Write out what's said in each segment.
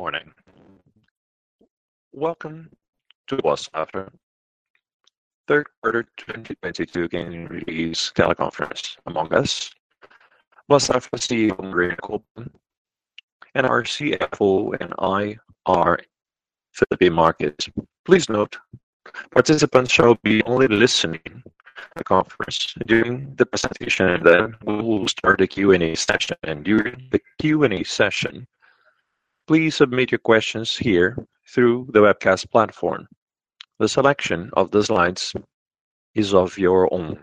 Morning. Welcome to Boa Safra third quarter 2022 earnings release teleconference. Among us, Boa Safra CEO, Marino Colpo, and our CFO and IR, Felipe Marques. Please note, participants shall be only listening to the conference during the presentation, and then we will start a Q&A session. During the Q&A session, please submit your questions here through the webcast platform. The selection of the slides is of your own.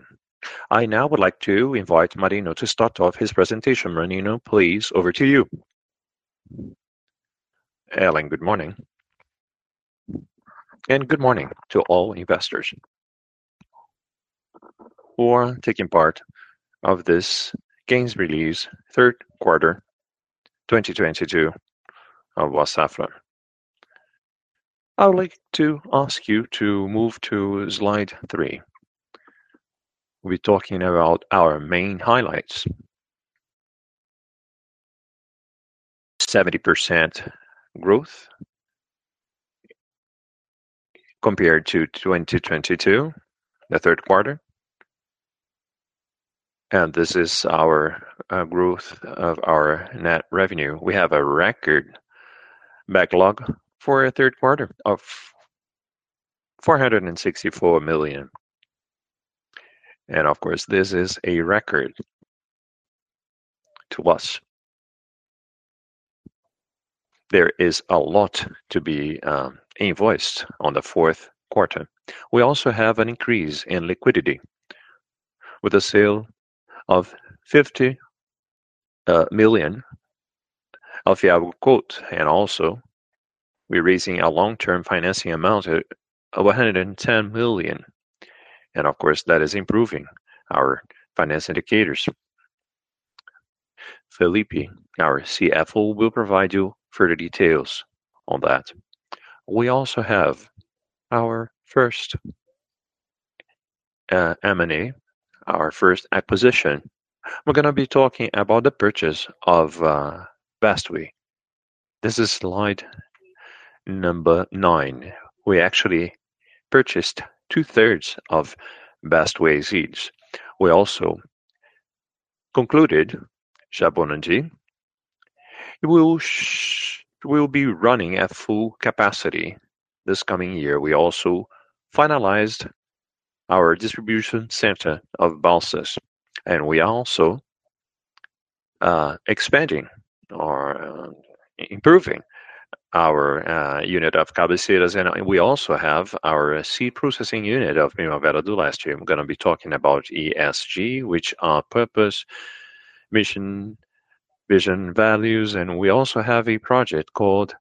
I now would like to invite Marino to start off his presentation. Marino, please, over to you. Alan, good morning. Good morning to all investors who are taking part in this earnings release third quarter 2022 of Boa Safra. I would like to ask you to move to slide three. We're talking about our main highlights. 70% growth compared to 2022, the third quarter. This is our growth of our net revenue. We have a record backlog for our third quarter of 464 million. Of course, this is a record to us. There is a lot to be invoiced on the fourth quarter. We also have an increase in liquidity with a sale of 50 million of the output. Also we're raising a long-term financing amount of 110 million. Of course, that is improving our financial indicators. Felipe, our CFO, will provide you further details on that. We also have our first M&A, our first acquisition. We're gonna be talking about the purchase of Bestway. This is slide number nine. We actually purchased two-thirds of Bestway Seeds. We also concluded Jaborandi. It will be running at full capacity this coming year. We also finalized our distribution center of Balsas, and we are also expanding or improving our unit of Cabeceiras. We also have our seed processing unit of Primavera do Leste. We're gonna be talking about ESG, which are purpose, mission, vision, values. We also have a project called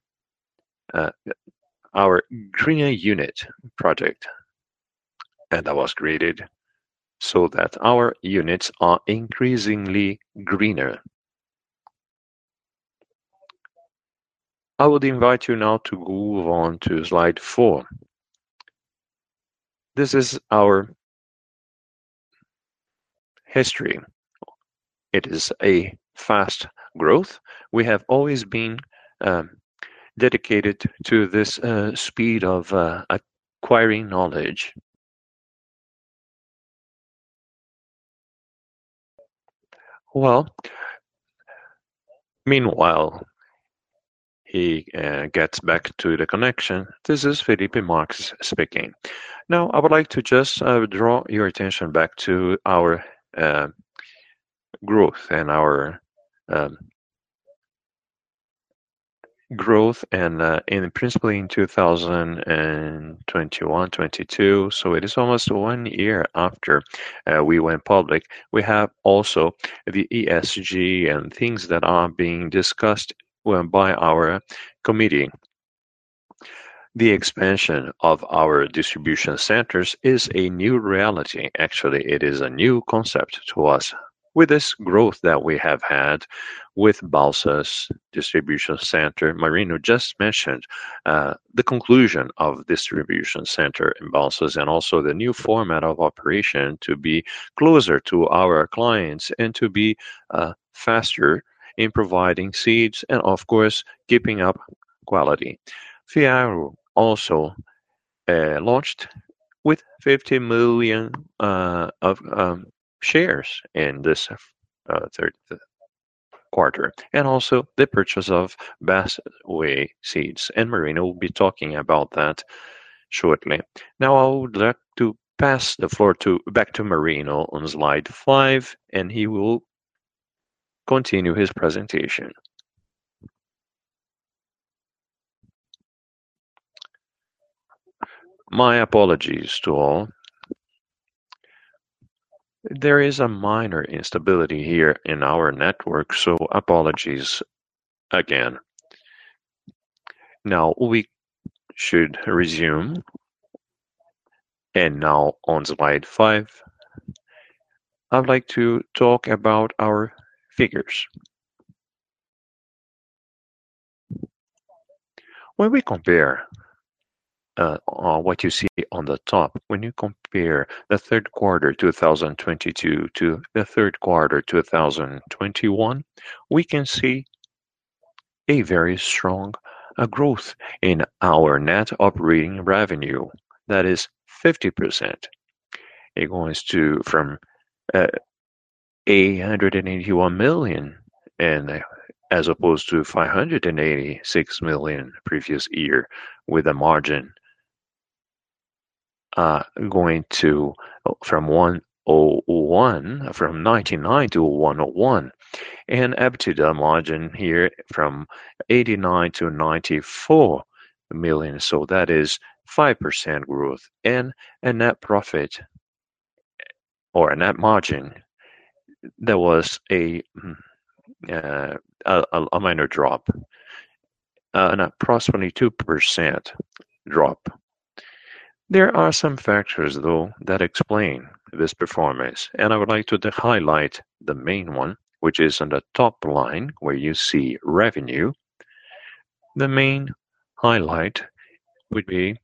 our Unidade Verde Project, and that was created so that our units are increasingly greener. I would invite you now to move on to slide four. This is our history. It is a fast growth. We have always been dedicated to this speed of acquiring knowledge. Well, meanwhile, he gets back to the connection. This is Felipe Marques speaking. Now, I would like to just draw your attention back to our growth and, in principally in 2021, 2022. It is almost one year after we went public. We have also the ESG and things that are being discussed by our committee. The expansion of our distribution centers is a new reality. Actually, it is a new concept to us. With this growth that we have had with Balsas Distribution Center, Marino just mentioned, the conclusion of distribution center in Balsas and also the new format of operation to be closer to our clients and to be faster in providing seeds and of course, keeping up quality. Fiagro also launched with 50 million shares in this third quarter, and also the purchase of Bestway Seeds, and Marino will be talking about that shortly. Now, I would like to pass the floor back to Marino on slide five, and he will continue his presentation. My apologies to all. There is a minor instability here in our network, so apologies again. Now, we should resume. Now on slide five, I'd like to talk about our figures. When we compare what you see on the top when you compare the third quarter 2022 to the third quarter 2021, we can see a very strong growth in our net operating revenue. That is 50%. It goes from 881 million as opposed to 586 million previous year with a margin going from 99% to 101%. EBITDA margin here from 89 million to 94 million. That is 5% growth. A net profit or a net margin, there was a minor drop, approximately 2% drop. There are some factors though that explain this performance, and I would like to highlight the main one, which is on the top line where you see revenue. The main highlight would be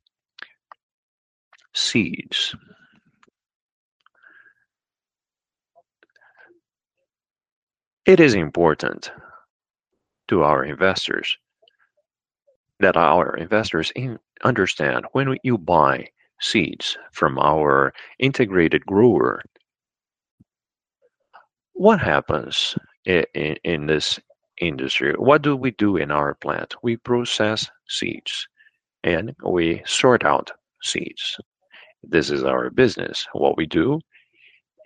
seeds. It is important to our investors that our investors understand when you buy seeds from our integrated grower, what happens in this industry? What do we do in our plant? We process seeds and we sort out seeds. This is our business. What we do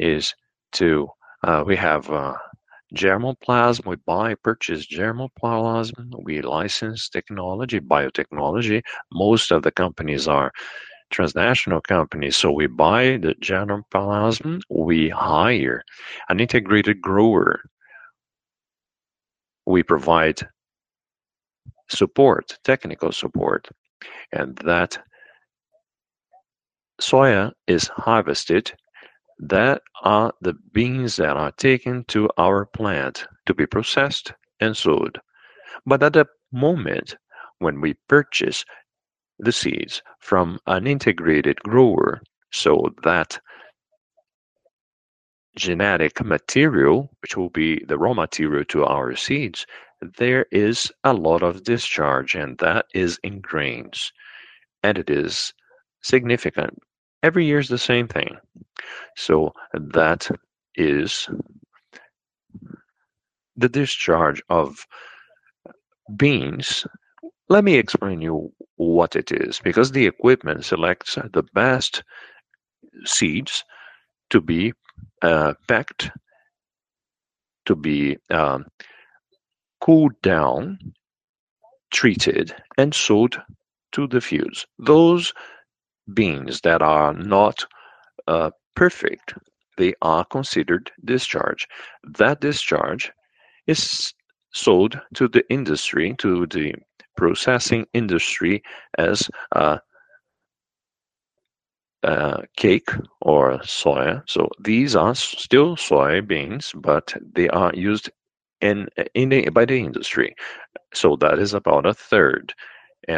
is to we have germplasm. We buy, purchase germplasm. We license technology, biotechnology. Most of the companies are transnational companies. We buy the germplasm, we hire an integrated grower. We provide support, technical support, and that soya is harvested. That are the beans that are taken to our plant to be processed and sold. At the moment when we purchase the seeds from an integrated grower, so that genetic material, which will be the raw material to our seeds, there is a lot of discharge, and that is in grains, and it is significant. Every year is the same thing. That is the discharge of beans. Let me explain to you what it is, because the equipment selects the best seeds to be packed, to be cooled down, treated and sold to the fields. Those beans that are not perfect, they are considered discharge. That discharge is sold to the industry, to the processing industry as a cake or soy. These are still soybeans, but they are used by the industry. That is about a third.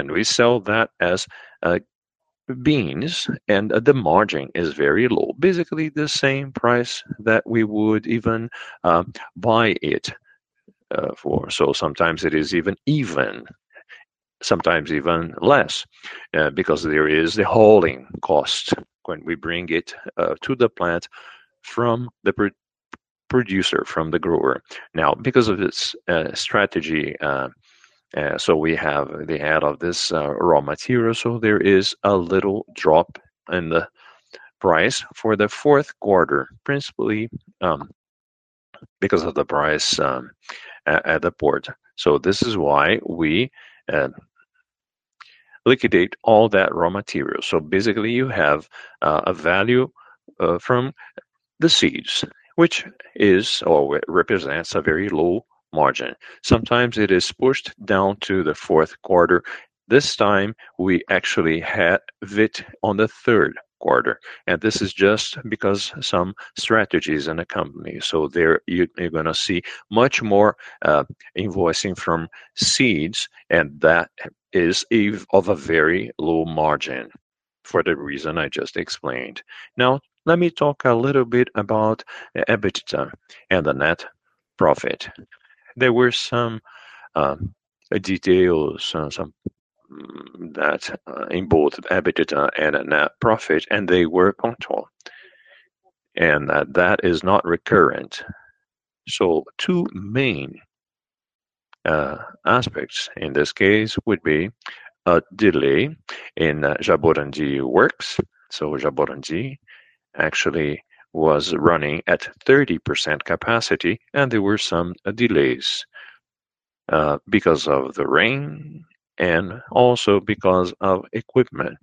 We sell that as beans and the margin is very low, basically the same price that we would even buy it for. Sometimes it is even less because there is the hauling cost when we bring it to the plant from the producer, from the grower. Because of this strategy, we have to add this raw material. There is a little drop in the price for the fourth quarter, principally because of the price at the port. This is why we liquidate all that raw material. Basically you have a value from the seeds, which represents a very low margin. Sometimes it is pushed down to the fourth quarter. This time we actually had it on the third quarter. This is just because some strategies in the company. There you're gonna see much more invoicing from seeds and that is of a very low margin for the reason I just explained. Now let me talk a little bit about EBITDA and the net profit. There were some details, some that in both EBITDA and net profit and they were controllable and that is not recurrent. Two main aspects in this case would be a delay in Jaborandi works. Jaborandi actually was running at 30% capacity and there were some delays because of the rain and also because of equipment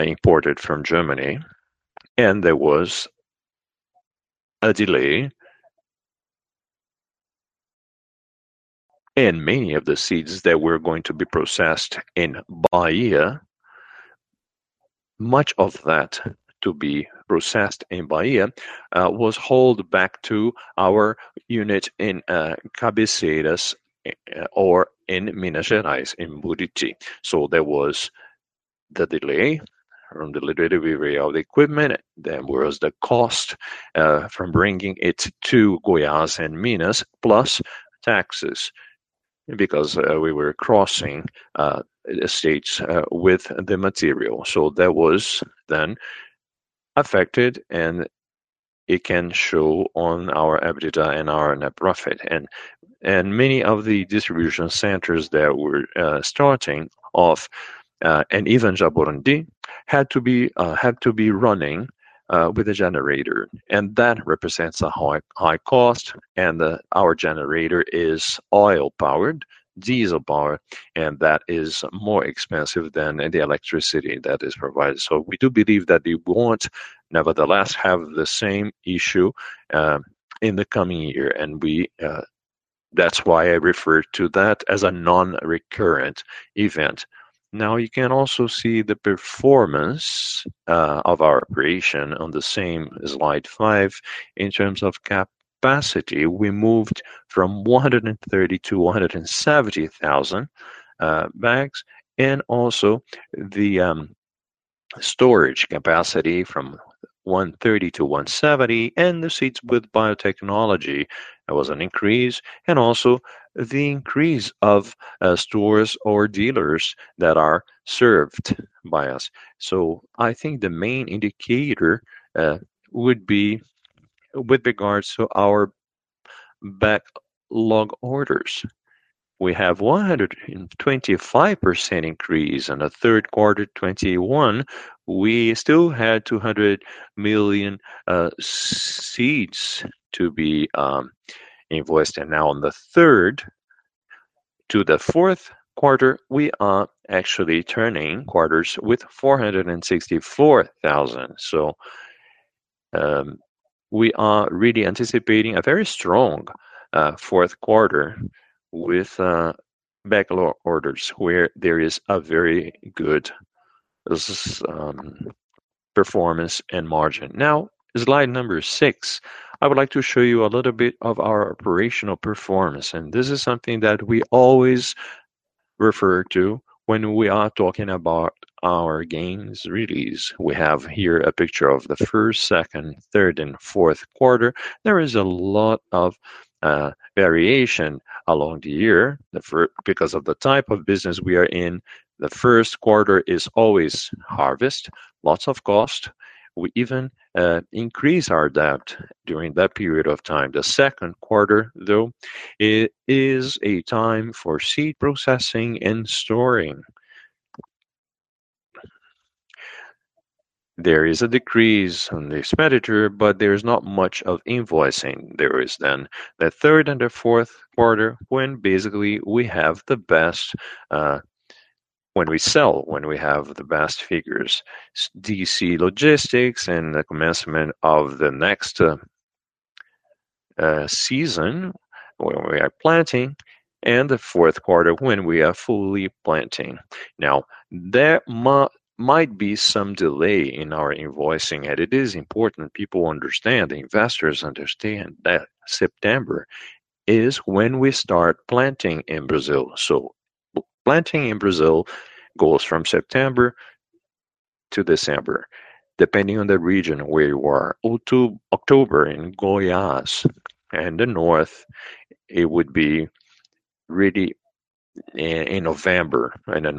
imported from Germany and there was a delay and many of the seeds that were going to be processed in Bahia. Much of that to be processed in Bahia was hauled back to our unit in Cabeceiras or in Minas Gerais, in Buritis. There was the delay on the delivery of the equipment. There was the cost from bringing it to Goiás and Minas, plus taxes, because we were crossing states with the material. That was then affected, and it can show on our EBITDA and our net profit. And many of the distribution centers that were starting off and even Jaborandi had to be running with a generator. That represents a high cost. Our generator is oil-powered, diesel-powered, and that is more expensive than the electricity that is provided. We do believe that we won't, nevertheless, have the same issue in the coming year. That's why I refer to that as a non-recurrent event. Now, you can also see the performance of our operation on the same slide five. In terms of capacity, we moved from 130-170 thousand bags, and also the storage capacity from 130-170, and the seeds with biotechnology, there was an increase, and also the increase of stores or dealers that are served by us. I think the main indicator would be with regards to our backlog orders. We have 125% increase. On the third quarter 2021, we still had 200 million seeds to be invoiced. Now on the third to the fourth quarter, we are actually turning quarters with 464,000. We are really anticipating a very strong fourth quarter with backlog orders, where there is a very good performance and margin. Now, slide number six, I would like to show you a little bit of our operational performance. This is something that we always refer to when we are talking about our earnings release. We have here a picture of the first, second, third, and fourth quarter. There is a lot of variation along the year. Because of the type of business we are in, the first quarter is always harvest, lots of cost. We even increase our debt during that period of time. The second quarter, though, it is a time for seed processing and storing. There is a decrease on the expenditure, but there is not much of invoicing. There is the third and the fourth quarter when basically we have the best, when we sell, when we have the best figures. DC logistics and the commencement of the next, season when we are planting, and the fourth quarter when we are fully planting. Now, there might be some delay in our invoicing, and it is important people understand, investors understand that September is when we start planting in Brazil. Planting in Brazil goes from September to December, depending on the region where you are. October in Goiás and the north, it would be really in November, in the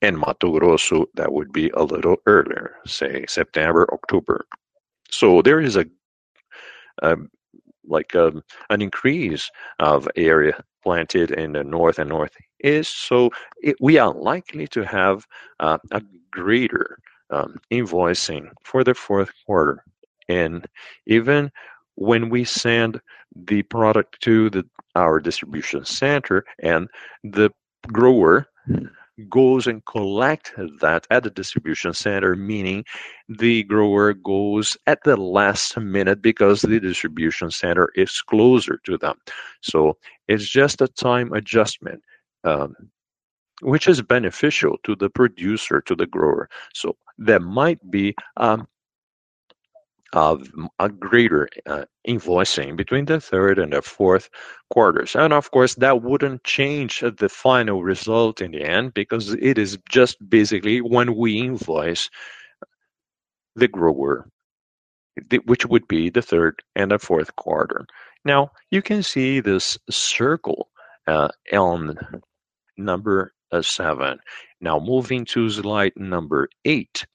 north and the northeast. In Mato Grosso, that would be a little earlier, say September, October. There is a like an increase of area planted in the north and northeast. We are likely to have a greater invoicing for the fourth quarter. Even when we send the product to our distribution center and the grower goes and collect that at the distribution center, meaning the grower goes at the last minute because the distribution center is closer to them. It's just a time adjustment, which is beneficial to the producer, to the grower. There might be a greater invoicing between the third and the fourth quarters. Of course, that wouldn't change the final result in the end because it is just basically when we invoice the grower, which would be the third and the fourth quarter. Now, you can see this circle on seven. Now moving to slide eight,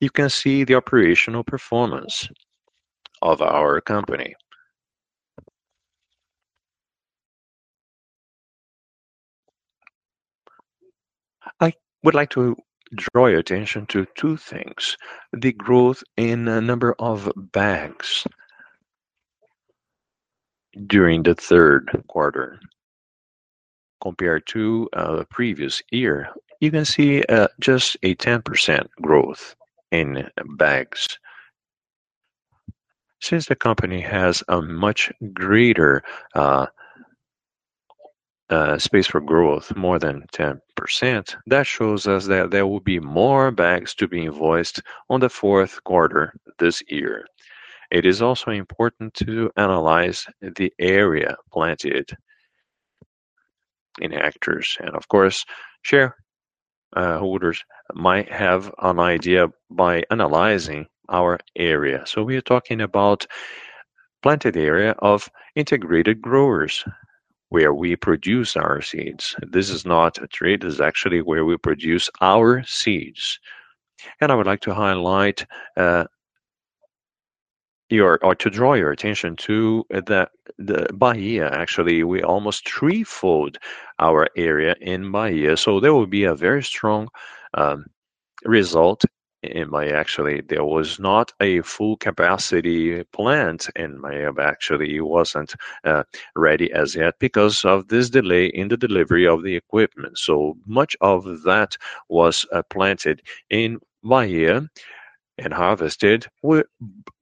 you can see the operational performance of our company. I would like to draw your attention to two things, the growth in number of bags during the third quarter compared to previous year. You can see just a 10% growth in bags. Since the company has a much greater space for growth, more than 10%, that shows us that there will be more bags to be invoiced on the fourth quarter this year. It is also important to analyze the area planted in hectares. Of course, shareholders might have an idea by analyzing our area. We are talking about planted area of integrated growers where we produce our seeds. This is not a trade, this is actually where we produce our seeds. I would like to highlight or to draw your attention to the Bahia. Actually, we almost threefold our area in Bahia, so there will be a very strong result in Bahia. Actually, there was not a full capacity plant in Bahia, but actually it wasn't ready as yet because of this delay in the delivery of the equipment. Much of that was planted in Bahia and harvested.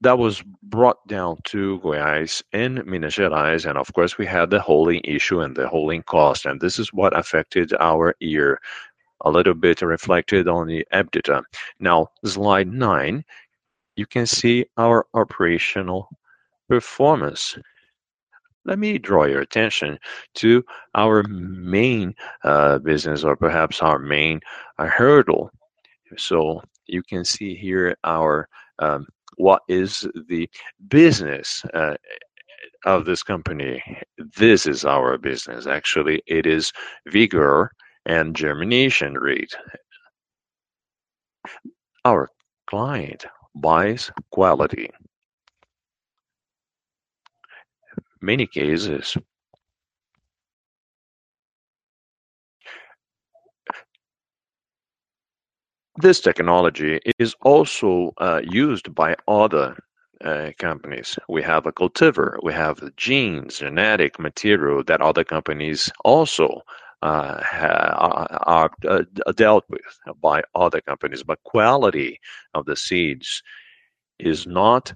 That was brought down to Goiás and Minas Gerais, and of course we had the holding issue and the holding cost, and this is what affected our year, a little bit reflected on the EBITDA. Now slide nine, you can see our operational performance. Let me draw your attention to our main business or perhaps our main hurdle. You can see here our what is the business of this company. This is our business. Actually it is vigor and germination rate. Our client buys quality. Many cases. This technology is also used by other companies. We have a cultivar, we have genes, genetic material that other companies also are dealt with by other companies. But quality of the seeds is not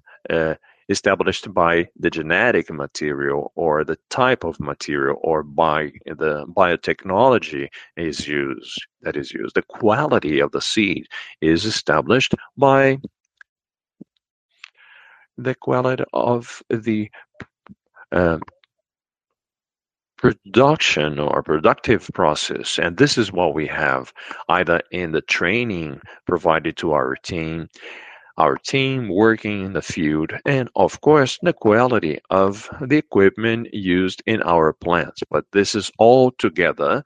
established by the genetic material or the type of material or by the biotechnology is used, that is used. The quality of the seed is established by the quality of the production or productive process. This is what we have either in the training provided to our team, our team working in the field, and of course the quality of the equipment used in our plants. But this is all together.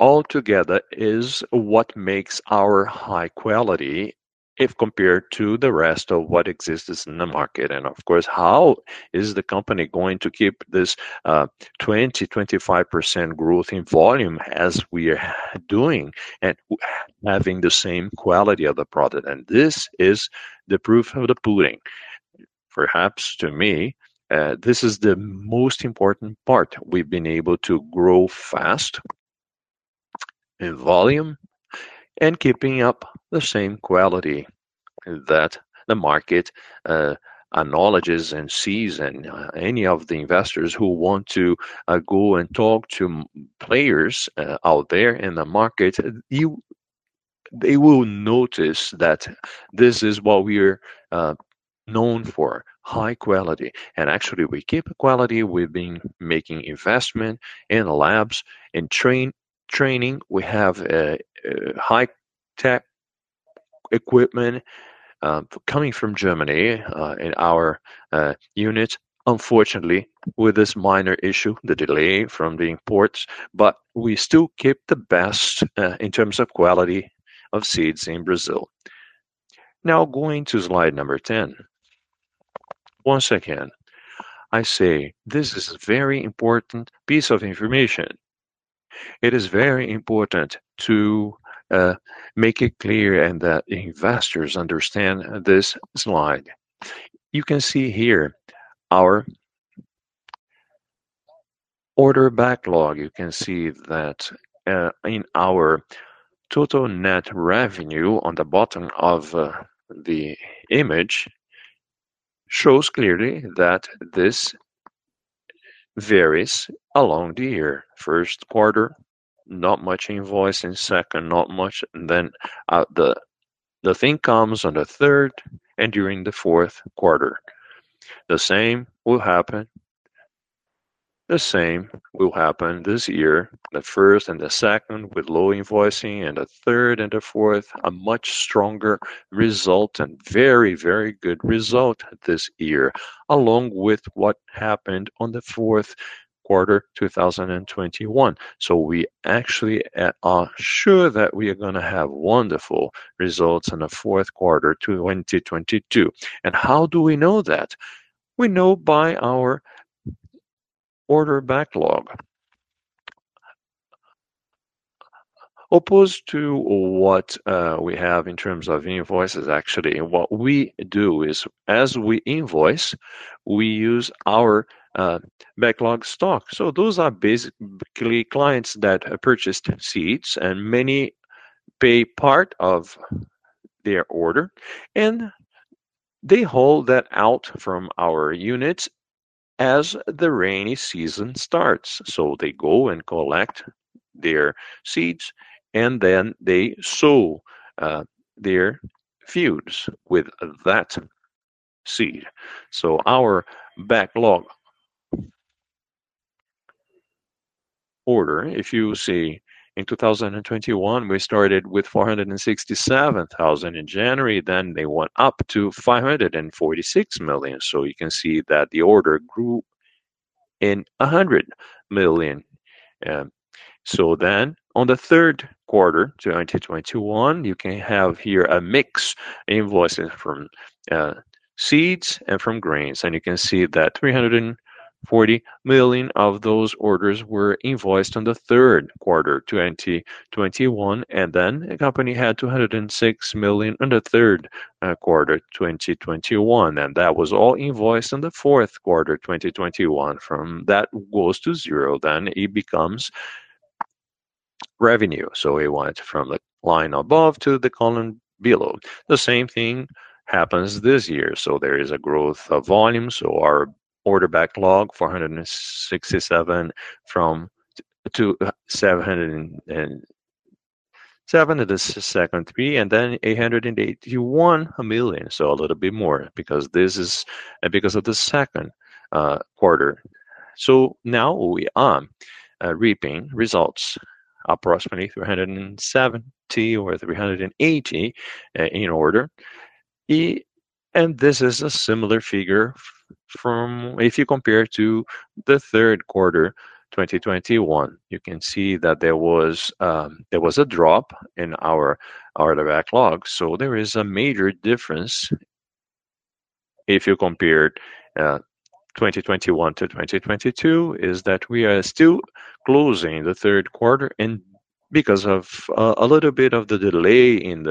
All together is what makes our high quality if compared to the rest of what exists in the market. Of course, how is the company going to keep this 20%-25% growth in volume as we are doing and having the same quality of the product? This is the proof of the pudding. Perhaps to me, this is the most important part. We've been able to grow fast in volume and keeping up the same quality that the market acknowledges and sees. Any of the investors who want to go and talk to players out there in the market, they will notice that this is what we're known for, high quality. Actually we keep quality. We've been making investment in labs, in training. We have a high-tech equipment coming from Germany in our unit. Unfortunately with this minor issue, the delay from the imports, but we still keep the best in terms of quality of seeds in Brazil. Now going to slide number 10. Once again, I say this is very important piece of information. It is very important to make it clear and that investors understand this slide. You can see here our order backlog. You can see that, in our total net revenue on the bottom of the image, shows clearly that this varies along the year. First quarter, not much invoicing. In second, not much. Then, the thing comes on the third and during the fourth quarter. The same will happen this year. The first and the second with low invoicing and the third and the fourth a much stronger result and very, very good result this year along with what happened on the fourth quarter 2021. We actually are sure that we are gonna have wonderful results in the fourth quarter 2022. How do we know that? We know by our order backlog. Opposed to what we have in terms of invoices actually, and what we do is as we invoice we use our backlog stock. Those are basically clients that purchased seeds and many pay part of their order and they hold that out from our units as the rainy season starts. They go and collect their seeds, and then they sow their fields with that seed. Our backlog order, if you see in 2021, we started with 467,000 in January, then they went up to 546 million. You can see that the order grew in 100 million. Then on the third quarter, 2021, you can have here a mix invoicing from seeds and from grains. You can see that 340 million of those orders were invoiced on the third quarter, 2021. Then the company had 206 million on the third quarter, 2021. That was all invoiced on the fourth quarter, 2021. From that goes to zero, then it becomes revenue. It went from the line above to the column below. The same thing happens this year. There is a growth of volume. Our order backlog from 467 million to 707 million at Q3, and then 881 million. A little bit more because this is because of the second quarter. Now we are reaping results approximately 370 million or 380 million in order. This is a similar figure. If you compare to the third quarter, 2021, you can see that there was a drop in our backlog. There is a major difference if you compare 2021 to 2022, is that we are still closing the third quarter and because of a little bit of the delay in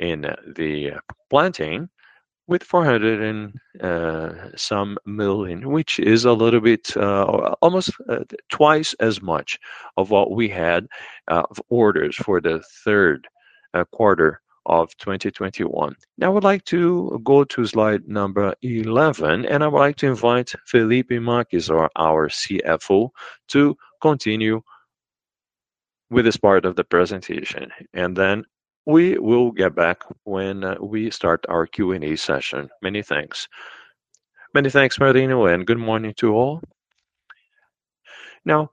the planting with 400 and some million, which is a little bit almost twice as much of what we had of orders for the third quarter of 2021. Now I would like to go to slide number 11, and I would like to invite Felipe Marques, our CFO, to continue with this part of the presentation. We will get back when we start our Q&A session. Many thanks. Many thanks, Marino, and good morning to all. Now,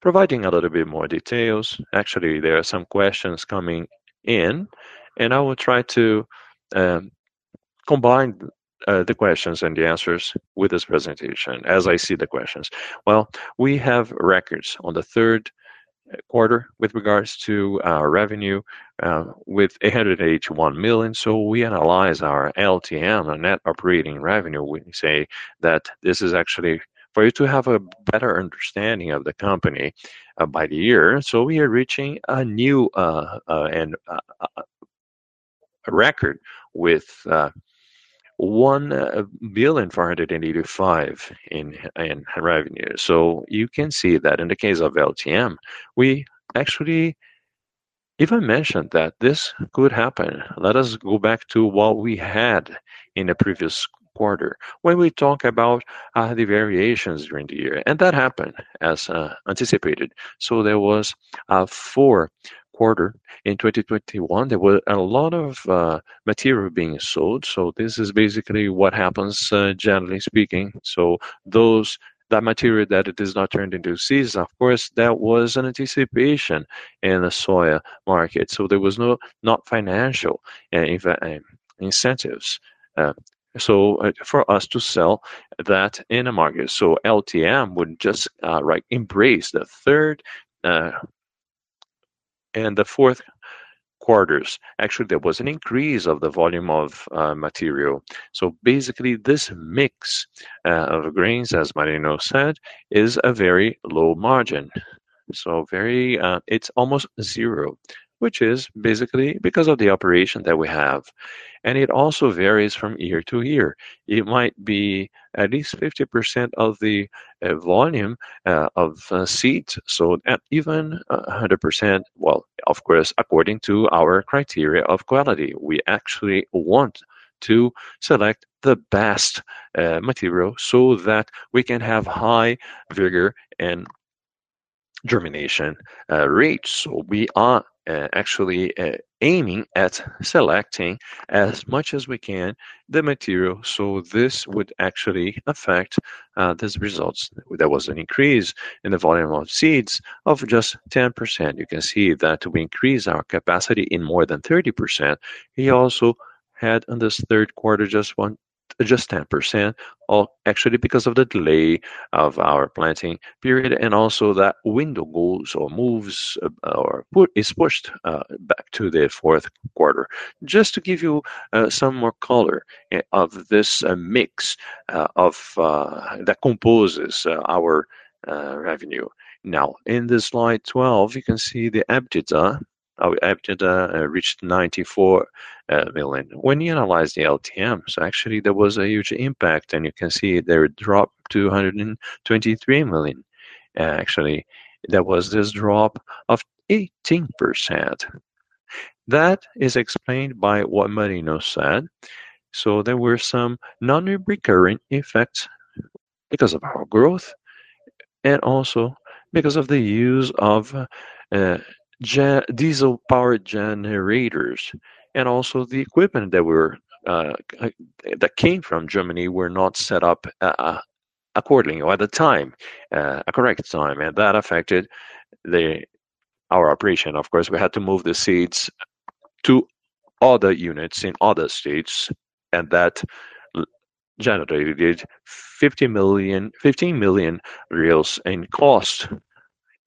providing a little bit more details. Actually, there are some questions coming in, and I will try to combine the questions and the answers with this presentation as I see the questions. Well, we have record on the third quarter with regards to our revenue with 881 million. We analyze our LTM, our net operating revenue. We say that this is actually for you to have a better understanding of the company by the year. We are reaching a new record with 1,485 million in revenue. You can see that in the case of LTM, we actually even mentioned that this could happen. Let us go back to what we had in the previous quarter when we talk about the variations during the year. That happened as anticipated. There was fourth quarter in 2021. There were a lot of material being sold. This is basically what happens, generally speaking. That material that it is not turned into seeds, of course, that was an anticipation in the soy market. There were no financial incentives for us to sell that in the market. LTM would just, right, embrace the third and the fourth quarters. Actually, there was an increase of the volume of material. Basically, this mix of grains, as Marino said, is a very low margin. It's almost zero, which is basically because of the operation that we have. It also varies from year to year. It might be at least 50% of the volume of seeds sold at even 100%, well, of course, according to our criteria of quality. We actually want to select the best material so that we can have high vigor and germination rates. We are actually aiming at selecting as much as we can the material. This would actually affect these results. There was an increase in the volume of seeds of just 10%. You can see that we increased our capacity in more than 30%. We also had on this third quarter just 10%, actually because of the delay of our planting period and also that window is pushed back to the fourth quarter. Just to give you some more color of this mix of that composes our revenue. Now, in the slide 12, you can see the EBITDA. Our EBITDA reached 94 million. When you analyze the LTMs, actually there was a huge impact, and you can see the drop 223 million. Actually, there was this drop of 18%. That is explained by what Marino said. There were some non-recurring effects because of our growth and also because of the use of diesel-powered generators. Also the equipment that came from Germany were not set up accordingly or at a correct time. That affected our operation. Of course, we had to move the seeds to other units in other states, and that generator did 50 million, 15 million in cost.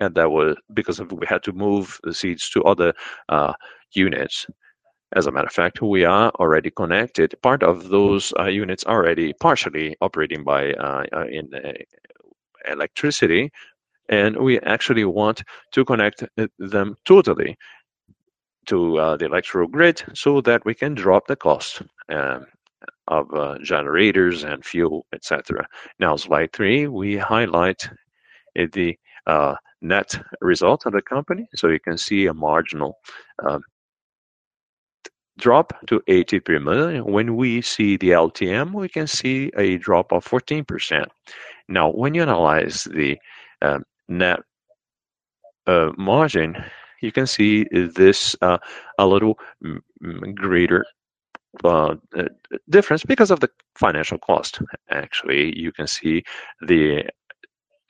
That was because we had to move the seeds to other units. As a matter of fact, we are already connected. Part of those units are already partially operating on electricity, and we actually want to connect them totally to the electric grid so that we can drop the cost of generators and fuel, et cetera. Now, slide three, we highlight the net result of the company, so you can see a marginal drop to 83 million. When we see the LTM, we can see a drop of 14%. Now, when you analyze the net margin, you can see this a little greater difference because of the financial cost. Actually, you can see the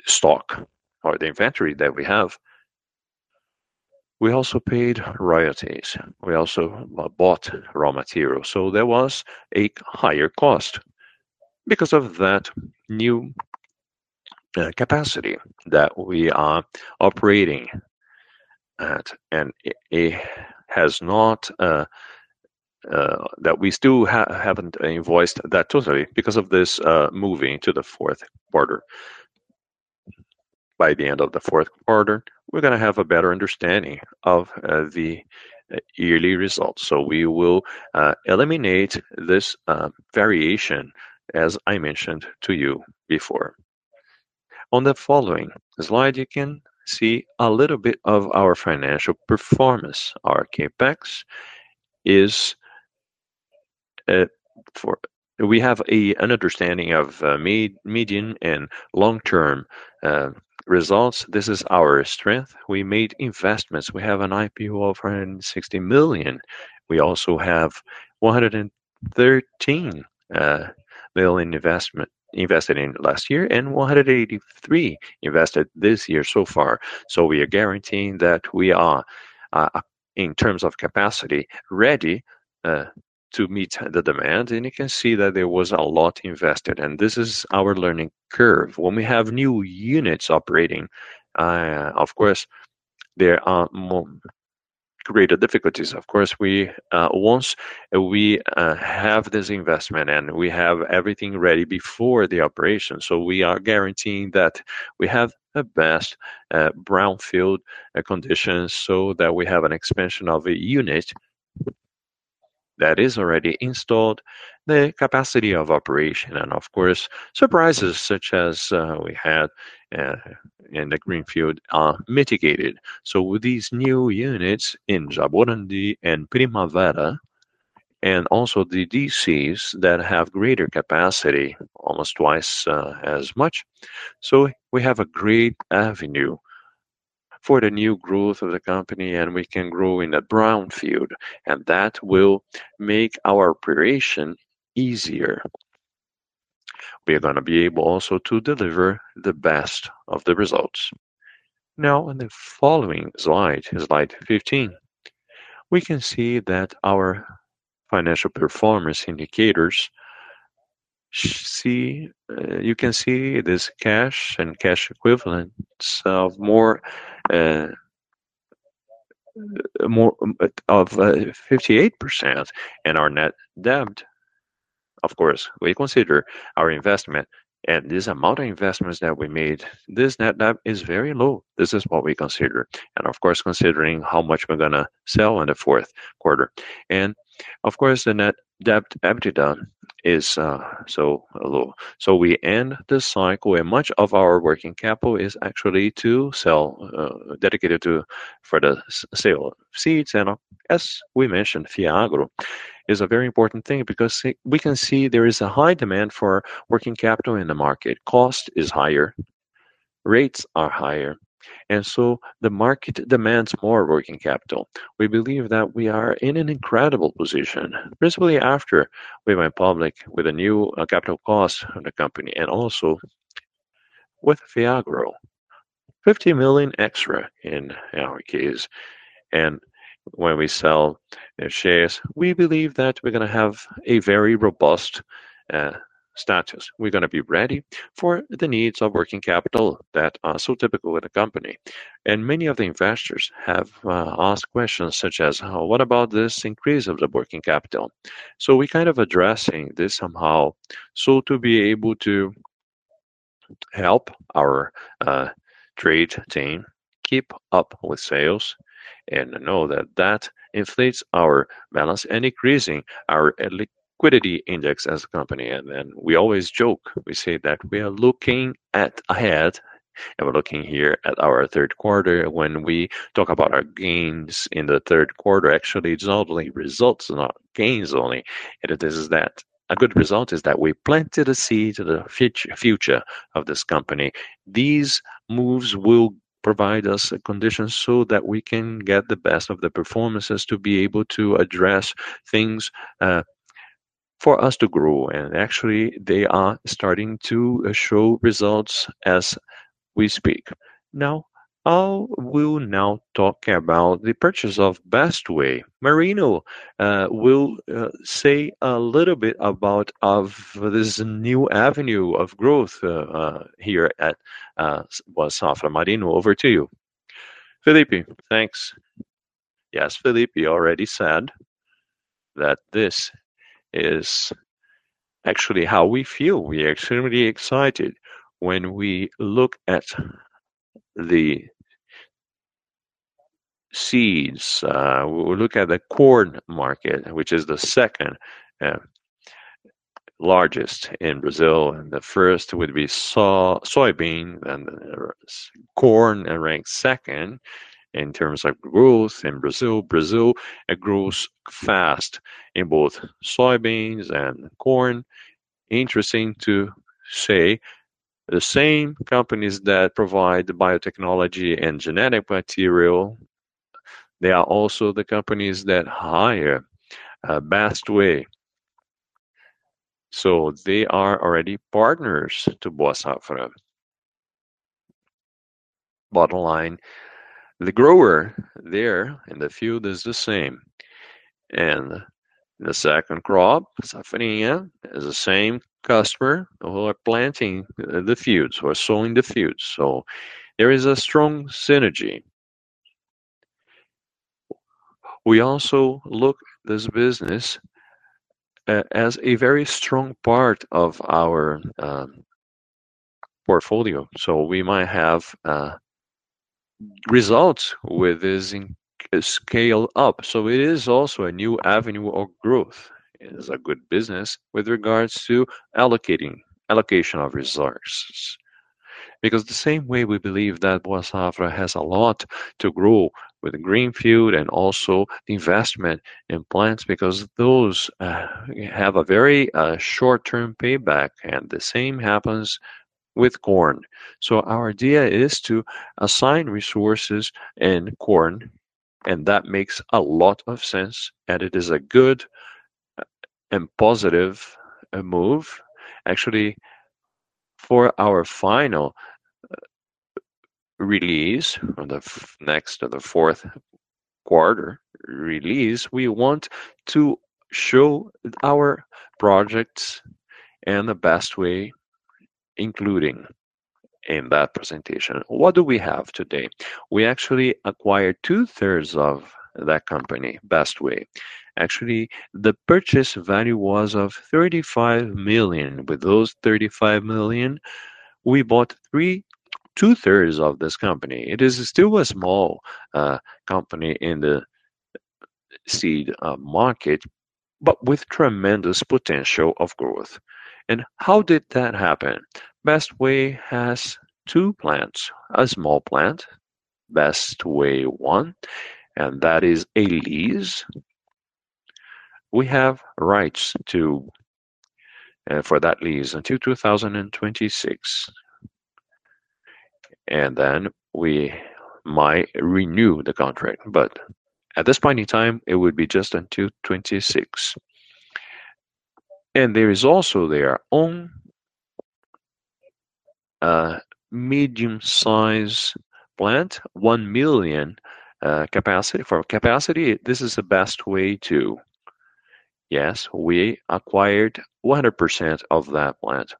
stock or the inventory that we have. We also paid royalties. We also bought raw materials. There was a higher cost because of that new capacity that we are operating at. We still haven't invoiced that totally because of this moving to the fourth quarter. By the end of the fourth quarter, we're gonna have a better understanding of the yearly results. We will eliminate this variation, as I mentioned to you before. On the following slide, you can see a little bit of our financial performance. We have an understanding of medium and long-term results. This is our strength. We made investments. We have an IPO of 460 million. We also have 113 million investment invested in last year and 183 million invested this year so far. We are guaranteeing that we are, in terms of capacity, ready, to meet the demand. You can see that there was a lot invested. This is our learning curve. When we have new units operating, of course, there are more greater difficulties. Of course, we once we have this investment and we have everything ready before the operation. We are guaranteeing that we have the best brownfield conditions so that we have an expansion of a unit that is already installed, the capacity of operation and, of course, surprises such as we had in the greenfield are mitigated. With these new units in Jaborandi and Primavera and also the DCs that have greater capacity, almost twice as much. We have a great avenue for the new growth of the company, and we can grow in the brownfield, and that will make our operation easier. We're gonna be able also to deliver the best of the results. Now, in the following slide 15, we can see that our financial performance indicators see you can see this cash and cash equivalents of more of 58% and our net debt. Of course, we consider our investment and this amount of investments that we made, this net debt is very low. This is what we consider. Of course, considering how much we're gonna sell in the fourth quarter. Of course, the net debt EBITDA is so low. We end this cycle where much of our working capital is actually dedicated for the sale of seeds. As we mentioned, Fiagro is a very important thing because we can see there is a high demand for working capital in the market. Cost is higher, rates are higher, and so the market demands more working capital. We believe that we are in an incredible position, principally after we went public with the new cost of capital of the company and also with Fiagro, 50 million extra in our case. When we sell shares, we believe that we're gonna have a very robust status. We're gonna be ready for the needs of working capital that are so typical with the company. Many of the investors have asked questions such as, "What about this increase of the working capital?" We're kind of addressing this somehow. To be able to help our trade team keep up with sales and know that that inflates our balance and increasing our liquidity index as a company. Then we always joke, we say that we are looking ahead and we're looking here at our third quarter. When we talk about our gains in the third quarter, actually it's not only results, not gains only. It is that a good result is that we planted a seed to the future of this company. These moves will provide us conditions so that we can get the best of the performances to be able to address things for us to grow. Actually, they are starting to show results as we speak. Now, I will talk about the purchase of Bestway. Marino will say a little bit about this new avenue of growth here at Boa Safra. Marino, over to you. Felipe, thanks. Yes, Felipe already said that this is actually how we feel. We are extremely excited when we look at the seeds. We look at the corn market, which is the second largest in Brazil, and the first would be soybean and corn ranked second in terms of growth in Brazil. Brazil grows fast in both soybeans and corn. Interesting to say, the same companies that provide biotechnology and genetic material, they are also the companies that hire Bestway. They are already partners to Boa Safra. Bottom line, the grower there in the field is the same. The second crop, Safrinha, is the same customer who are planting the fields, who are sowing the fields. There is a strong synergy. We also look this business as a very strong part of our portfolio. We might have results with this in scale up. It is also a new avenue of growth. It is a good business with regards to allocation of resources. Because the same way we believe that Boa Safra has a lot to grow with greenfield and also the investment in plants, because those have a very short-term payback, and the same happens with corn. Our idea is to assign resources in corn, and that makes a lot of sense, and it is a good and positive move. Actually, for our final release on the fourth quarter release, we want to show our projects and the Bestway including in that presentation. What do we have today? We actually acquired two-thirds of that company, Bestway. Actually, the purchase value was of 35 million. With those 35 million, we bought two-thirds of this company. It is still a small company in the seed market, but with tremendous potential of growth. How did that happen? Bestway has two plants. A small plant, Bestway One, and that is a lease. We have rights for that lease until 2026. Then we might renew the contract. At this point in time, it would be just until 2026. There is also their own medium-size plant, one million capacity. For capacity, this is the Bestway Two. Yes, we acquired 100% of that plant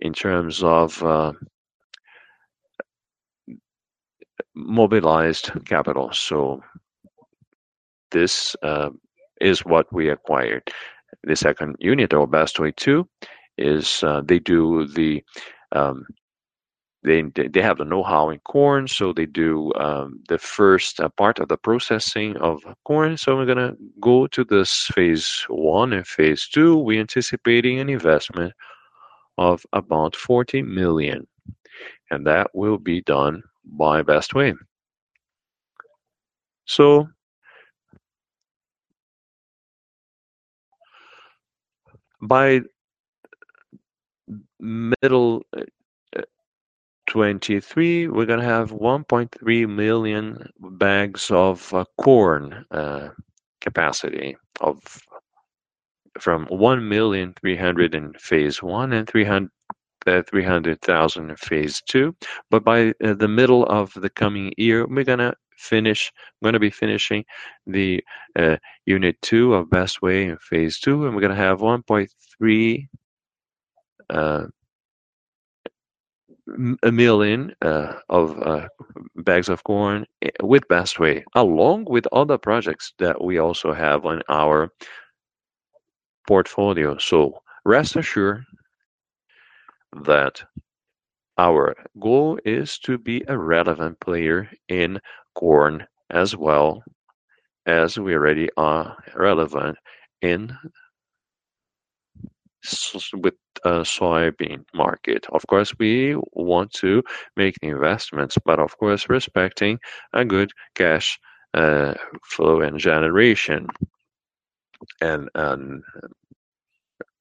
in terms of mobilized capital. This is what we acquired. The second unit of Bestway Two is they have the know-how in corn, so they do the first part of the processing of corn. We're gonna go to this phase I and phase II. We're anticipating an investment of about 40 million, and that will be done by Bestway. By mid-2023, we're going to have 1.3 million bags of corn capacity from 1.3 million in phase I and 300,000 in phase II. By the middle of the coming year, we're going to be finishing the unit two of Bestway in phase II, and we're going to have 1.3 million bags of corn with Bestway, along with other projects that we also have on our portfolio. Rest assured that our goal is to be a relevant player in corn as well as we already are relevant in the soybean market. Of course, we want to make investments, but of course, respecting a good cash flow generation and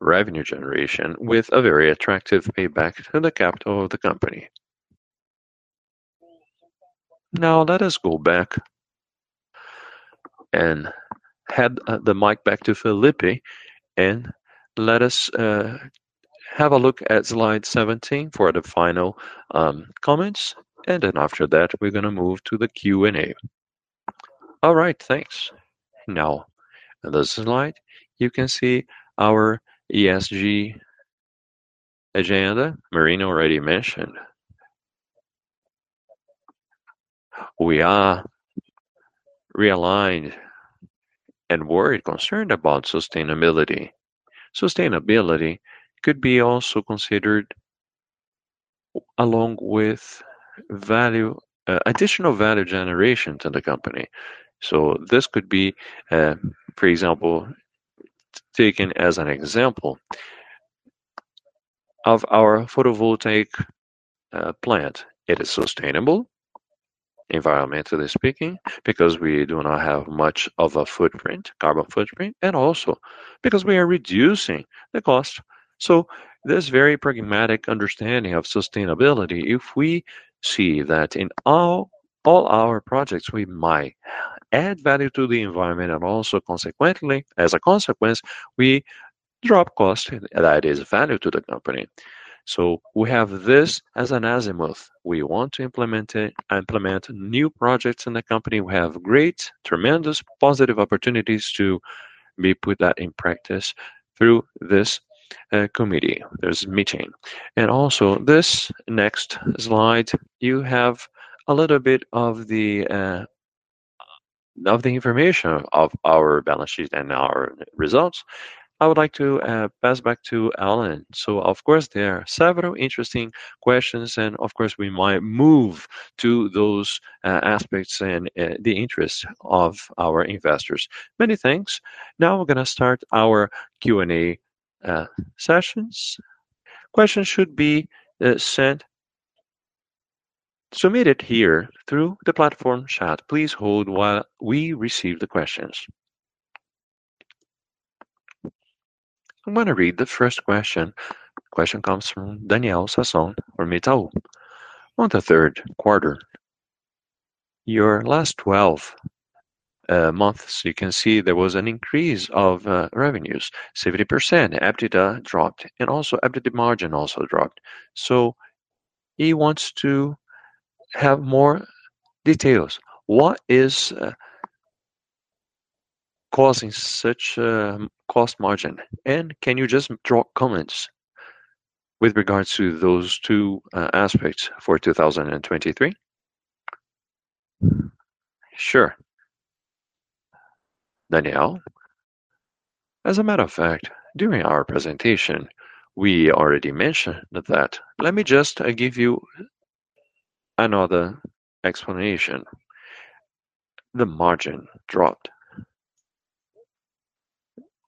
revenue generation with a very attractive payback to the capital of the company. Now, let us go back and hand the mic back to Felipe, and let us have a look at slide 17 for the final comments. After that we're gonna move to the Q&A. All right, thanks. Now, in this slide, you can see our ESG agenda. Marino already mentioned. We are realigned and worried, concerned about sustainability. Sustainability could be also considered along with additional value generation to the company. This could be, for example, taken as an example of our photovoltaic plant. It is sustainable, environmentally speaking, because we do not have much of a carbon footprint, and also because we are reducing the cost. This very pragmatic understanding of sustainability, if we see that in all our projects, we might add value to the environment and also consequently, as a consequence, we drop cost and that is value to the company. We have this as an azimuth. We want to implement new projects in the company. We have great, tremendous positive opportunities to be put that in practice through this committee, this meeting. Also this next slide, you have a little bit of the information of our balance sheet and our results. I would like to pass back to Alan. Of course, there are several interesting questions and of course, we might move to those aspects in the interest of our investors. Many thanks. Now we're gonna start our Q&A sessions. Questions should be sent, submitted here through the platform chat. Please hold while we receive the questions. I'm gonna read the first question. Question comes from Daniel Sasson from Itaú BBA. On the third quarter, your last 12 months, you can see there was an increase of revenues 70%. EBITDA dropped and also EBITDA margin also dropped. He wants to have more details. What is causing such cost margin? And can you just drop comments with regards to those two aspects for 2023? Sure. Daniel, as a matter of fact, during our presentation, we already mentioned that. Let me just give you another explanation. The margin dropped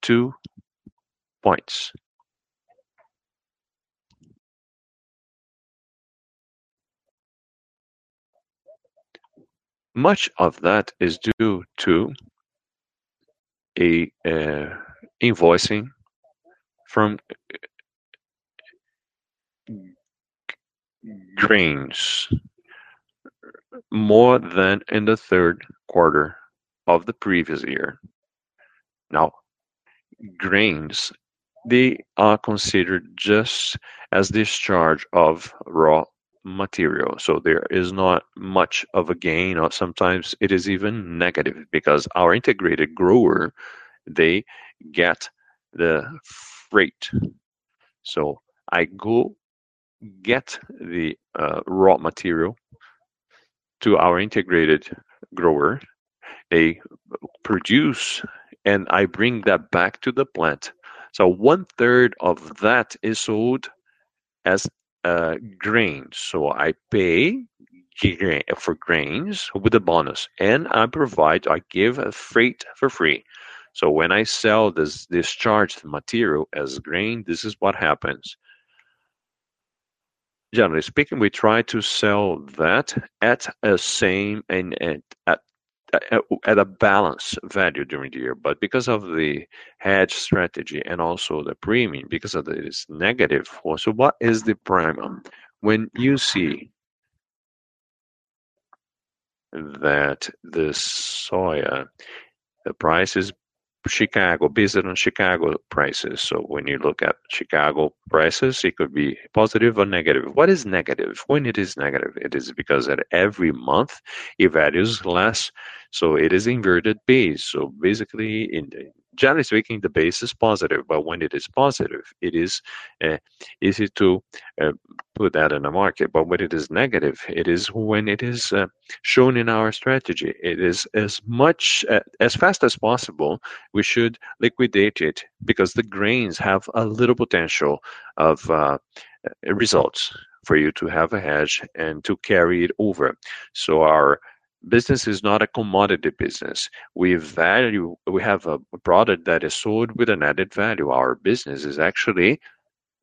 two points. Much of that is due to a invoicing from grains more than in the third quarter of the previous year. Now, grains, they are considered just as discharge of raw material, so there is not much of a gain, or sometimes it is even negative because our integrated grower, they get the freight. I go get the raw material to our integrated grower. They produce, and I bring that back to the plant. One-third of that is sold as grains. I pay for grains with a bonus, and I provide, I give a freight for free. When I sell this discharged material as grain, this is what happens. Generally speaking, we try to sell that at the same and at a balanced value during the year. Because of the hedge strategy and also the premium, because of this negative freight. What is the premium? When you see that the soya, the price is Chicago, based on Chicago prices. When you look at Chicago prices, it could be positive or negative. What is negative? When it is negative, it is because at every month it values less, so it is inverted base. Generally speaking, the base is positive, but when it is positive, it is easy to put that in the market. But when it is negative, it is when it is shown in our strategy. As fast as possible, we should liquidate it because the grains have a little potential of results for you to have a hedge and to carry it over. Our business is not a commodity business. We have a product that is sold with an added value. Our business is actually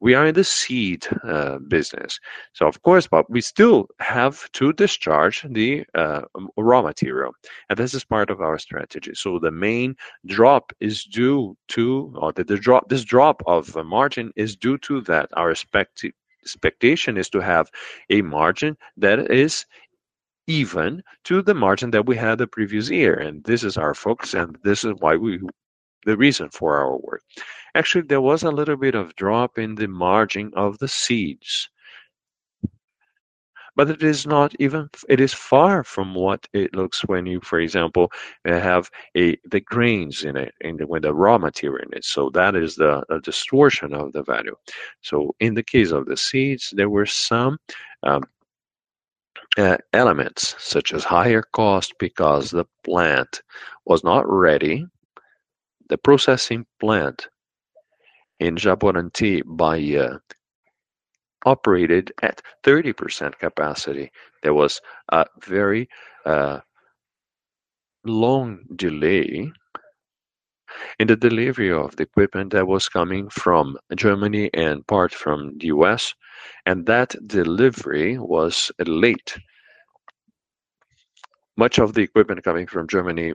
we are in the seed business. Of course, but we still have to discharge the raw material, and this is part of our strategy. The main drop is due to the drop of margin is due to that. Our expectation is to have a margin that is even to the margin that we had the previous year. This is our focus and this is the reason for our work. Actually, there was a little bit of drop in the margin of the seeds. It is not even. It is far from what it looks when you, for example, have the grains in it and with the raw material in it. That is the distortion of the value. In the case of the seeds, there were some elements such as higher cost because the plant was not ready. The processing plant in Jaborandi, Bahia, operated at 30% capacity. There was a very long delay in the delivery of the equipment that was coming from Germany and parts from the US, and that delivery was late. Much of the equipment coming from Germany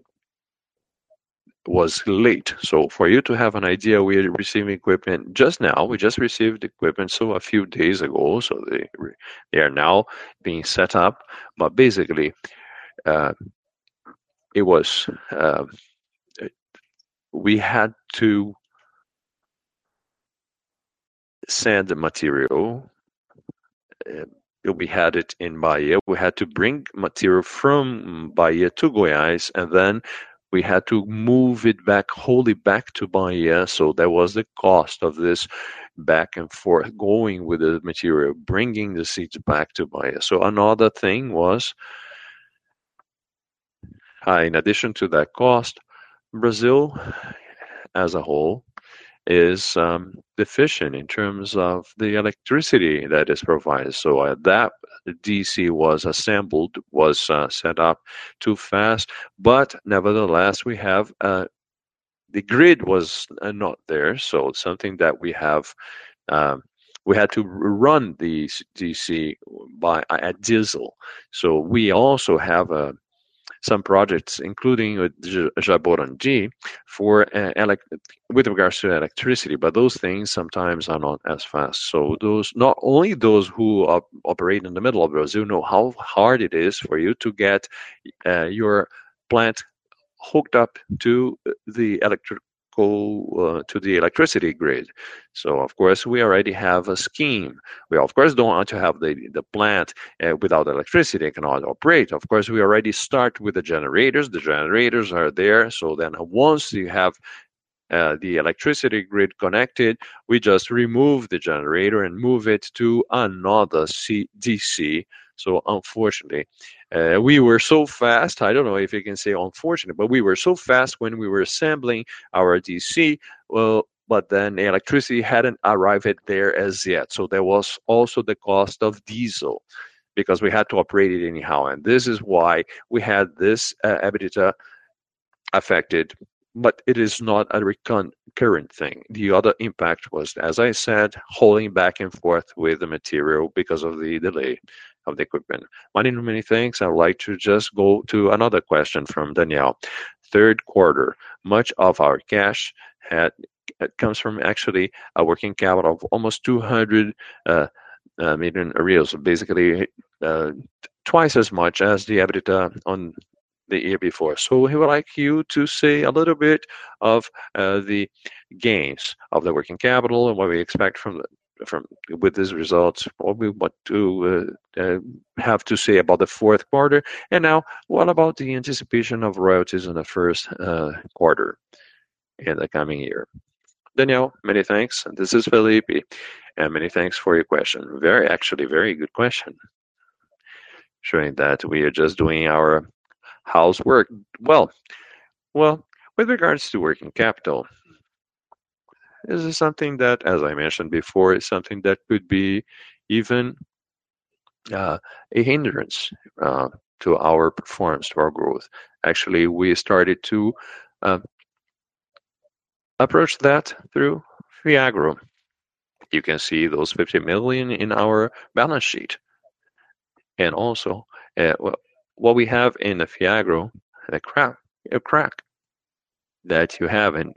was late. For you to have an idea, we are receiving equipment just now. We just received some equipment a few days ago, so they are now being set up. Basically, we had to send the material. We had it in Bahia. We had to bring material from Bahia to Goiás, and then we had to move it back, haul it back to Bahia. There was the cost of this back and forth, going with the material, bringing the seeds back to Bahia. Another thing was, in addition to that cost, Brazil as a whole is deficient in terms of the electricity that is provided. At that DC was assembled, set up too fast. Nevertheless, we have the grid was not there. Something that we have, we had to run these DC by diesel. We also have some projects, including Jaborandi, with regards to electricity. Those things sometimes are not as fast. Those, not only those who operate in the middle of Brazil know how hard it is for you to get your plant hooked up to the electrical to the electricity grid. Of course, we already have a scheme. We, of course, don't want to have the plant without electricity. It cannot operate. Of course, we already start with the generators. The generators are there. Once you have the electricity grid connected, we just remove the generator and move it to another DC. Unfortunately, we were so fast. I don't know if you can say unfortunate, but we were so fast when we were assembling our DC. The electricity hadn't arrived there as yet. There was also the cost of diesel because we had to operate it anyhow. This is why we had this EBITDA affected, but it is not a recurrent thing. The other impact was, as I said, hauling back and forth with the material because of the delay of the equipment. Many thanks. I would like to just go to another question from Daniel. Third quarter, much of our cash comes from actually a working capital of almost 200 million. Basically, twice as much as the EBITDA on the year before. He would like you to say a little bit of the gains of the working capital and what we expect from these results, what we want to have to say about the fourth quarter. Now, what about the anticipation of royalties in the first quarter in the coming year? Daniel, many thanks. This is Felipe. Many thanks for your question. Very actually very good question. Showing that we are just doing our homework. Well, with regards to working capital, this is something that, as I mentioned before, is something that could be even a hindrance to our performance, to our growth. Actually, we started to approach that through Fiagro. You can see those 50 million in our balance sheet. Also, what we have in the Fiagro, the CRA that you have in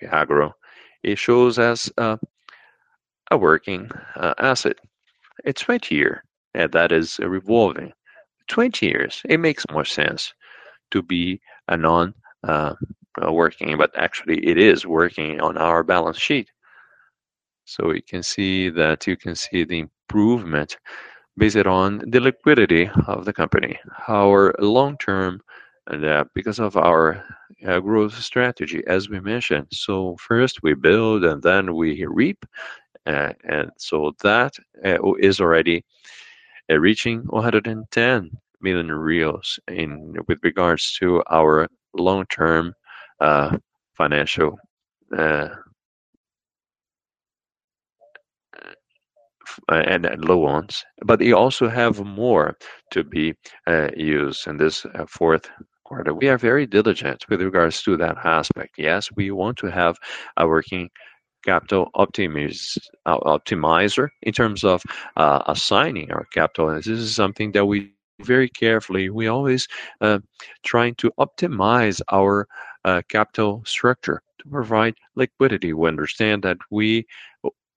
Fiagro, it shows as a working asset. It's right here. That is revolving. 20 years, it makes more sense to be a non-working, but actually it is working on our balance sheet. You can see that, you can see the improvement based on the liquidity of the company. Our long-term because of our growth strategy, as we mentioned. First we build and then we reap. That is already reaching 110 million reais debt with regards to our long-term financial and loans. We also have more to be used in this fourth quarter. We are very diligent with regards to that aspect. Yes, we want to have a working capital optimizer in terms of assigning our capital. This is something that we very carefully. We always trying to optimize our capital structure to provide liquidity. We understand that we,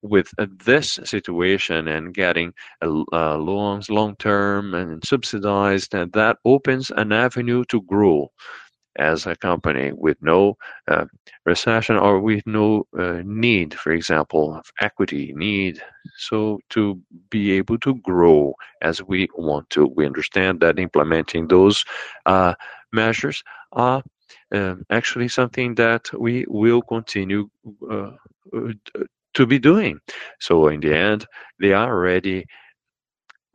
with this situation and getting loans long term and subsidized, that opens an avenue to grow as a company with no restriction or with no need for equity. To be able to grow as we want to. We understand that implementing those measures are actually something that we will continue to be doing. In the end, they are already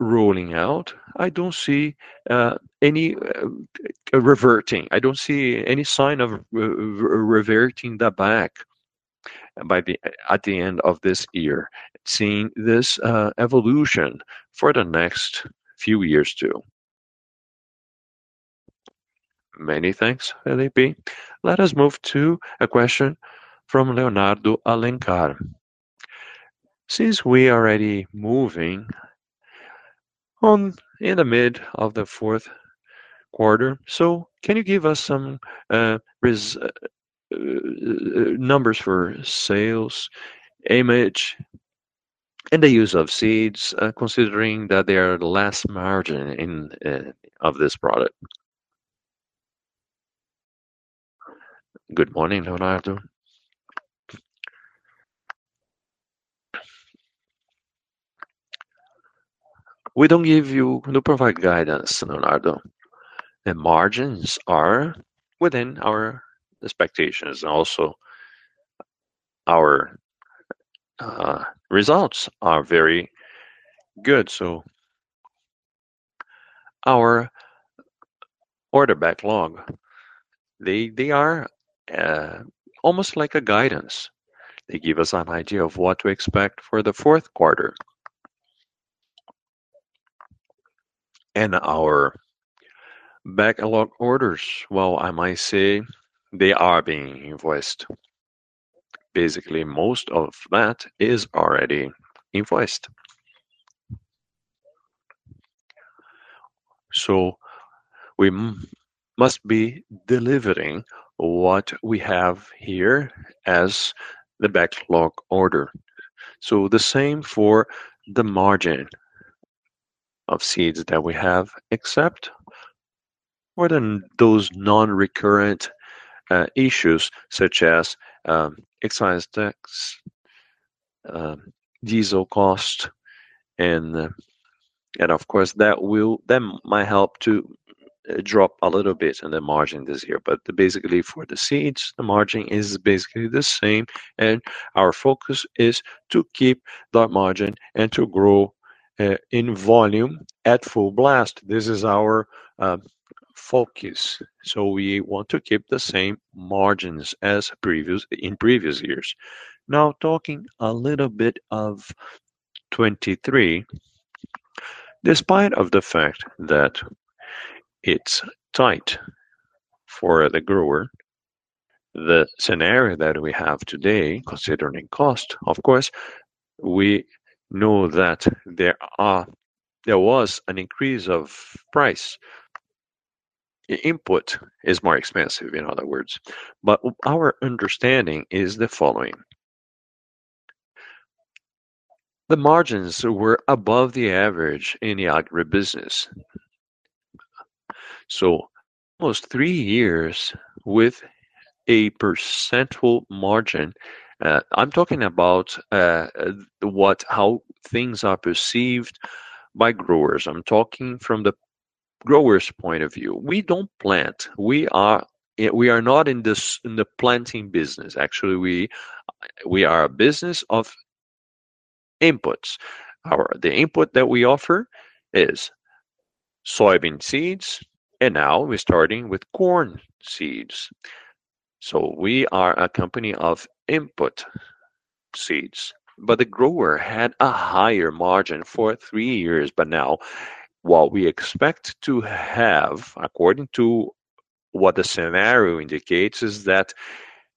rolling out. I don't see any reverting. I don't see any sign of reverting that back at the end of this year, seeing this evolution for the next few years too. Many thanks, Felipe. Let us move to a question from Leonardo Alencar. Since we are already moving on in the mid of the fourth quarter, can you give us some results numbers for sales, margins, and the use of seeds, considering that they are the largest margin of this product? Good morning, Leonardo. We don't provide guidance, Leonardo. The margins are within our expectations. Also, our results are very good, so our order backlog, they are almost like a guidance. They give us an idea of what to expect for the fourth quarter. Our backlog orders, well, I might say they are being invoiced. Basically, most of that is already invoiced. We must be delivering what we have here as the backlog order. The same for the margin of seeds that we have, except for those nonrecurrent issues such as excise tax, diesel cost, and of course that might help to drop a little bit in the margin this year. Basically for the seeds, the margin is basically the same, and our focus is to keep that margin and to grow in volume at full blast. This is our focus. We want to keep the same margins as previous years. Now, talking a little bit of 2023. Despite the fact that it's tight for the grower, the scenario that we have today, considering cost, of course, we know that there was an increase of price. Input is more expensive, in other words. Our understanding is the following. The margins were above the average in the agribusiness. Almost three years with a percentage margin. I'm talking about how things are perceived by growers. I'm talking from the grower's point of view. We don't plant. We are not in this, in the planting business. Actually, we are a business of inputs. The input that we offer is soybean seeds, and now we're starting with corn seeds. We are a company of input seeds. The grower had a higher margin for three years. Now what we expect to have, according to what the scenario indicates, is that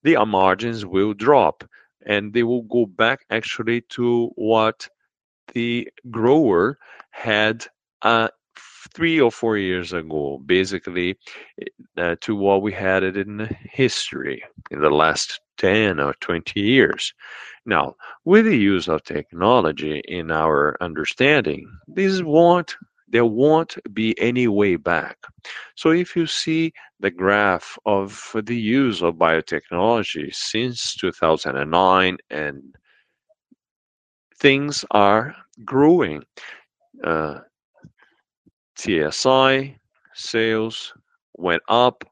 the margins will drop, and they will go back actually to what the grower had three or four years ago, basically, to what we had it in history in the last 10 or 20 years. Now, with the use of technology in our understanding, there won't be any way back. If you see the graph of the use of biotechnology since 2009 and things are growing. TSI sales went up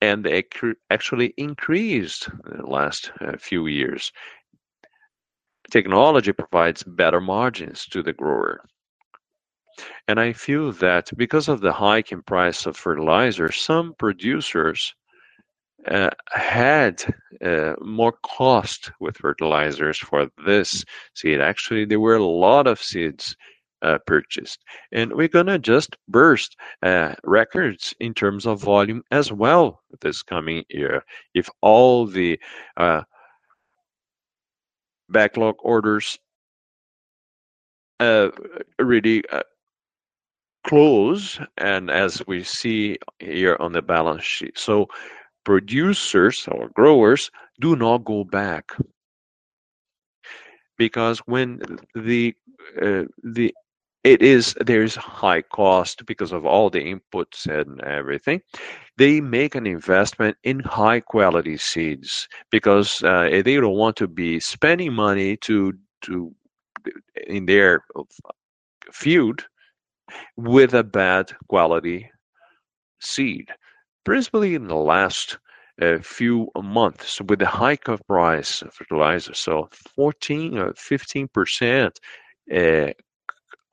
and they actually increased the last few years. Technology provides better margins to the grower. I feel that because of the hike in price of fertilizer, some producers had more cost with fertilizers for this seed. Actually, there were a lot of seeds purchased. We're gonna just burst records in terms of volume as well this coming year if all the backlog orders really close and as we see here on the balance sheet. Producers or growers do not go back because when there's high cost because of all the inputs and everything. They make an investment in high-quality seeds because they don't want to be spending money in their field with a bad quality seed. Principally in the last few months with the hike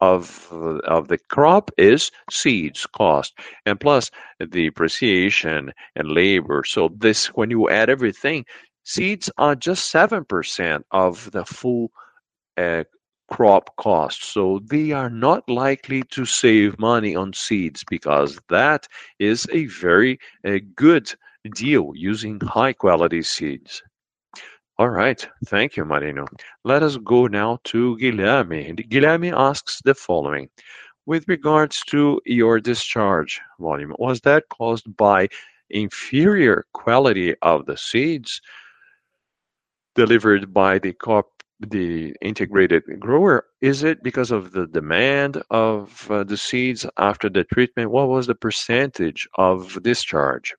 of price of fertilizer, so 14% or 15% of the crop is seeds cost and plus the appreciation and labor. This, when you add everything, seeds are just 7% of the full crop cost. They are not likely to save money on seeds because that is a very good deal using high-quality seeds. All right. Thank you, Marino. Let us go now to Guilherme. Guilherme asks the following. With regards to your discharge volume, was that caused by inferior quality of the seeds delivered by the integrated grower? Is it because of the demand of the seeds after the treatment? What was the percentage of discharge?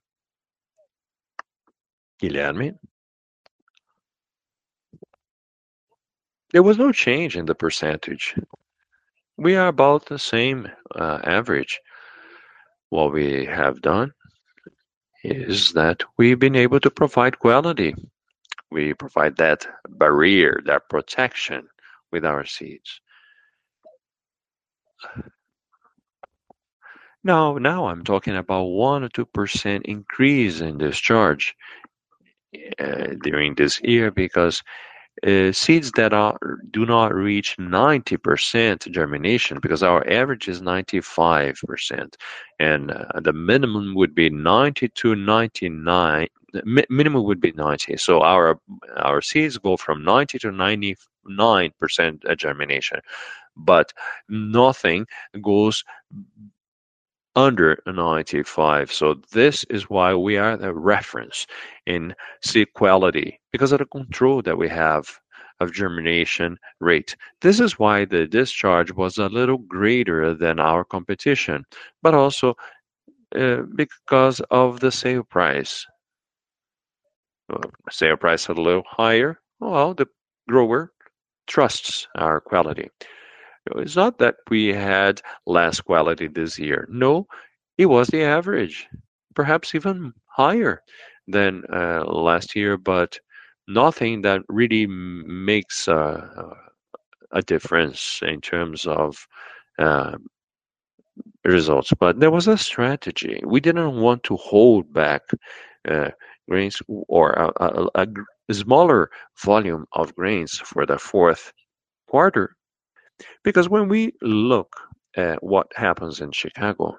Guilherme? There was no change in the percentage. We are about the same average. What we have done is that we've been able to provide quality. We provide that barrier, that protection with our seeds. Now I'm talking about 1% or 2% increase in discharge during this year because seeds do not reach 90% germination because our average is 95% and the minimum would be 90 to 99. Minimum would be 90. Our seeds go from 90%-99% germination, but nothing goes under 95. This is why we are the reference in seed quality because of the control that we have of germination rate. This is why the discard was a little greater than our competition, but also because of the sale price. Sale price a little higher. Well, the grower trusts our quality. It's not that we had less quality this year. No, it was the average. Perhaps even higher than last year, but nothing that really makes a difference in terms of results. There was a strategy. We didn't want to hold back grains or a smaller volume of grains for the fourth quarter. Because when we look at what happens in Chicago,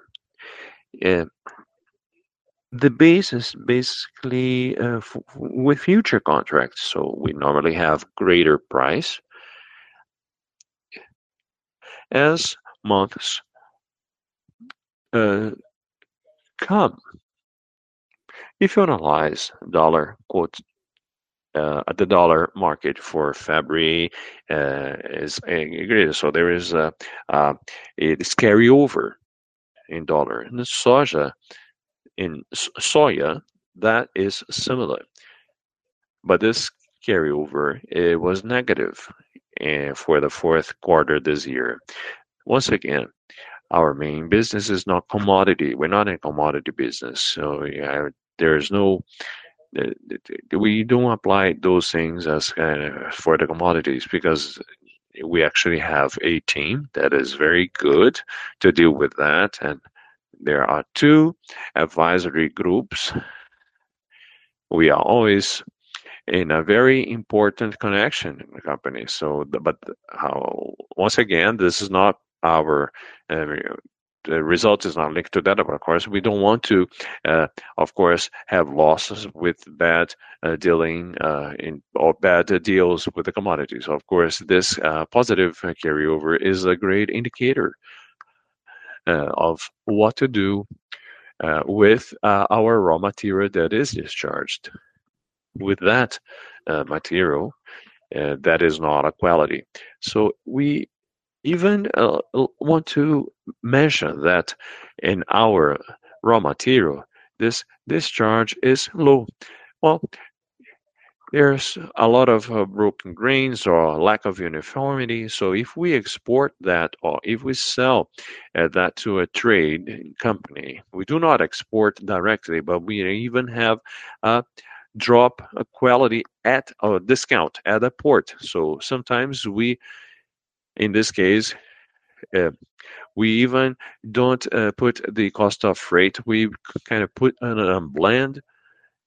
the basis is basically with futures contracts. We normally have greater prices as months come. If you analyze dollar quotes, the dollar market for February is greater. There is a carryover in dollar. In soya, that is similar. This carryover was negative for the fourth quarter this year. Once again, our main business is not commodity. We're not a commodity business. There is no. We don't apply those things as for the commodities because we actually have a team that is very good to deal with that. There are two advisory groups. We are always in a very important connection in the company. Once again, this is not our, the result is not linked to that. Of course, we don't want to, of course, have losses with bad dealing in or bad deals with the commodities. Of course, this positive carryover is a great indicator of what to do with our raw material that is discharged. With that material that is not a quality. We even want to mention that in our raw material, this discharge is low. Well, there's a lot of broken grains or lack of uniformity. If we export that or if we sell that to a trade company, we do not export directly, but we even have a drop quality at a discount at a port. In this case, we even don't put the cost of freight. We kind of put on a blend.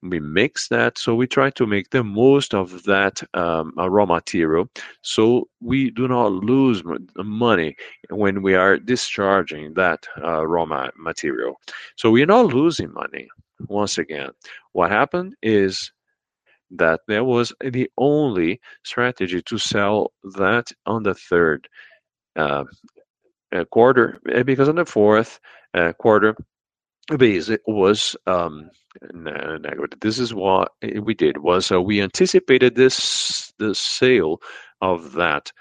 We mix that, so we try to make the most of that raw material, so we do not lose money when we are discharging that raw material. We're not losing money. Once again, what happened is that there was the only strategy to sell that on the third quarter. Because on the fourth quarter, basically it was negative. This is what we did, was we anticipated this, the sale of that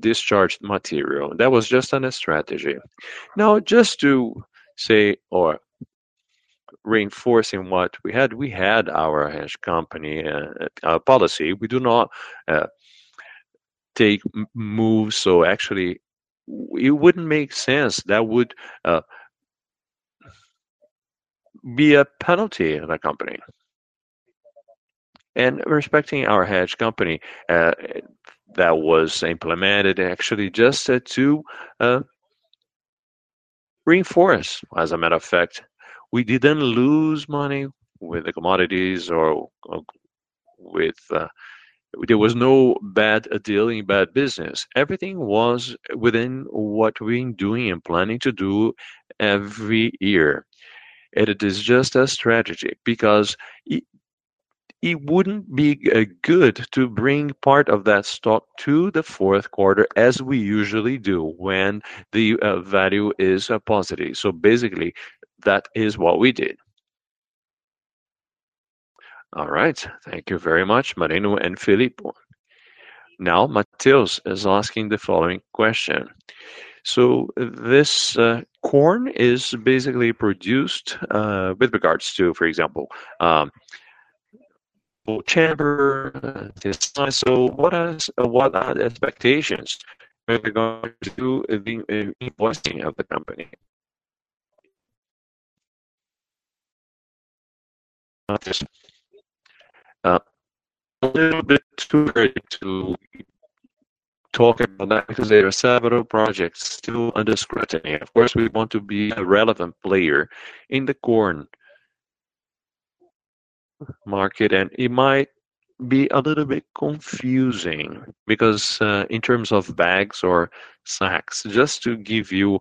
discharged material. That was just a strategy. Now, just to say or reinforcing what we had, we had our hedging policy. We do not take moves. Actually, it wouldn't make sense. That would be a penalty in the company. Respecting our hedge company, that was implemented actually just to reinforce. As a matter of fact, we didn't lose money with the commodities or with. There was no bad deal, any bad business. Everything was within what we've been doing and planning to do every year. It is just a strategy because it wouldn't be good to bring part of that stock to the fourth quarter as we usually do when the value is a positive. Basically, that is what we did. All right. Thank you very much, Marino and Felipe. Now Matheus is asking the following question. This corn is basically produced with regards to, for example, Bolsa de Mercadorias. What are the expectations with regards to investing of the company? A little bit too early to talk about that because there are several projects still under scrutiny. Of course, we want to be a relevant player in the corn market, and it might be a little bit confusing because in terms of bags or sacks. Just to give you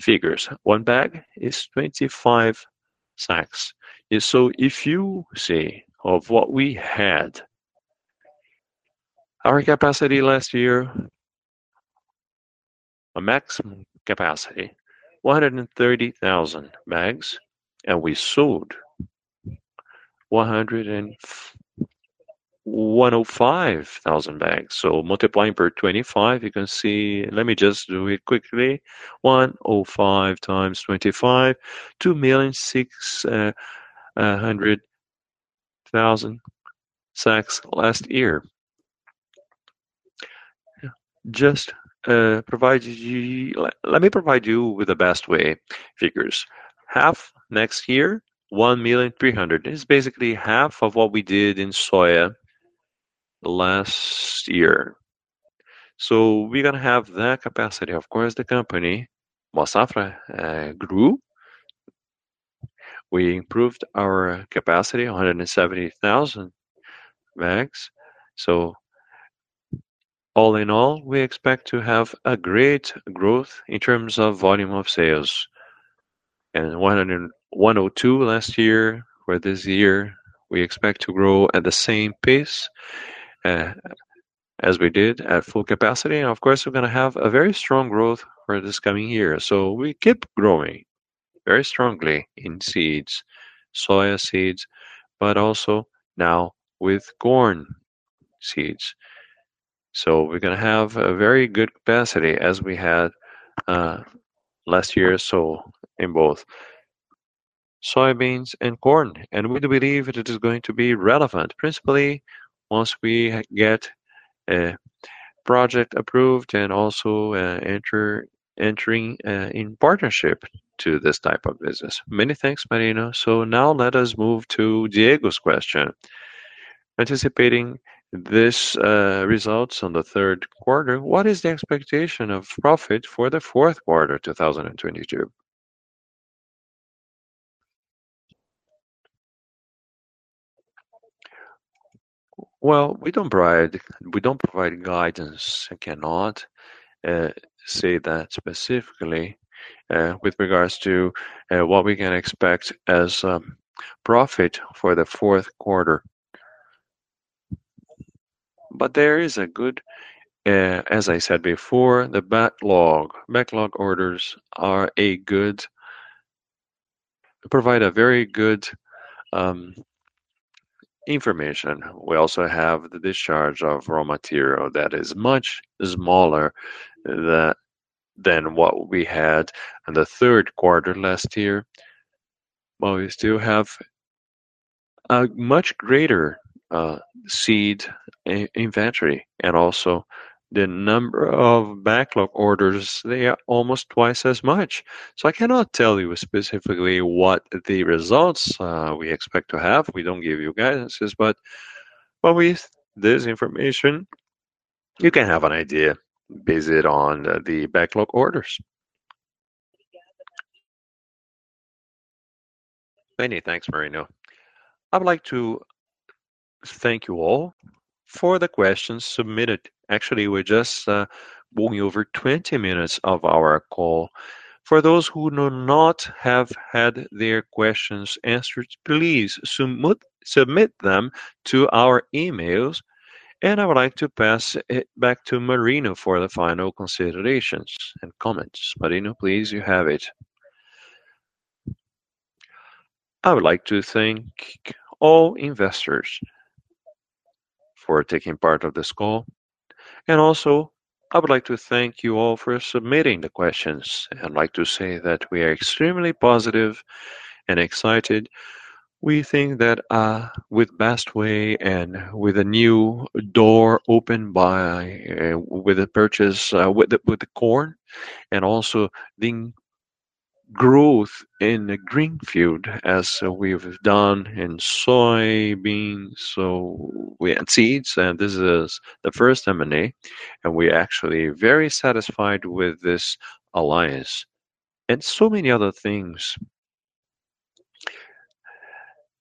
figures, one bag is 25 sacks. If you say of what we had our capacity last year, a maximum capacity, 130,000 bags, and we sold 105,000 bags. Multiplying per 25, you can see. Let me just do it quickly. 105 times 25, 2,600,000 sacks last year. Let me provide you with the Bestway figures. Half next year, 1,300,000. It's basically half of what we did in soya last year. We're gonna have that capacity. Of course, the company, Boa Safra, grew. We improved our capacity, 170,000 bags. All in all, we expect to have a great growth in terms of volume of sales. 102 last year, where this year we expect to grow at the same pace as we did at full capacity. Of course, we're gonna have a very strong growth for this coming year. We keep growing very strongly in seeds, soybean seeds, but also now with corn seeds. We're gonna have a very good capacity as we had last year or so in both soybeans and corn. We do believe it is going to be relevant, principally once we get a project approved and also entering in partnership to this type of business. Many thanks, Marino. Now let us move to Diego's question. Anticipating these results on the third quarter, what is the expectation of profit for the fourth quarter 2022? Well, we don't provide guidance. I cannot say that specifically with regards to what we can expect as profit for the fourth quarter. But there is a good, as I said before, the backlog. Backlog orders provide a very good information. We also have the discharge of raw material that is much smaller than what we had in the third quarter last year. But we still have a much greater seed inventory and also the number of backlog orders, they are almost twice as much. I cannot tell you specifically what the results we expect to have. We don't give you guidances, but with this information, you can have an idea based on the backlog orders. Many thanks, Marino. I would like to thank you all for the questions submitted. Actually, we're just going over 20 minutes of our call. For those who have not had their questions answered, please submit them to our emails, and I would like to pass it back to Marino for the final considerations and comments. Marino, please, you have it. I would like to thank all investors for taking part of this call. Also, I would like to thank you all for submitting the questions. I'd like to say that we are extremely positive and excited. We think that with Bestway and with a new door opened by the purchase with the corn and also the growth in the greenfield as we've done in soybeans and seeds, and this is the first M&A, and we're actually very satisfied with this alliance. Many other things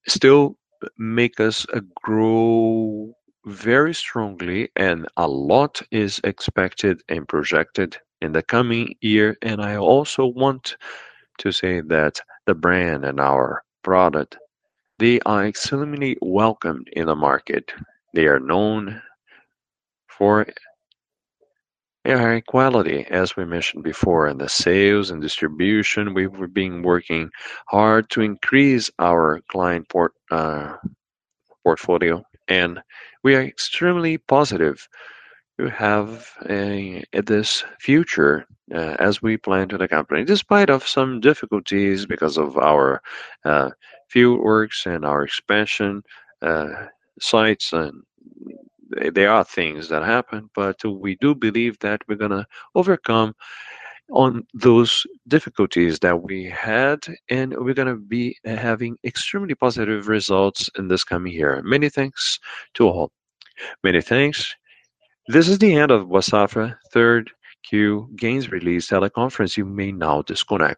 still make us grow very strongly, and a lot is expected and projected in the coming year. I also want to say that the brand and our product, they are extremely welcomed in the market. They are known for their high quality, as we mentioned before. In the sales and distribution, we've been working hard to increase our client portfolio, and we are extremely positive to have this future as we plan to the company. Despite of some difficulties because of our field works and our expansion sites and there are things that happen, but we do believe that we're gonna overcome on those difficulties that we had, and we're gonna be having extremely positive results in this coming year. Many thanks to all. Many thanks. This is the end of Boa Safra third quarter earnings release teleconference. You may now disconnect.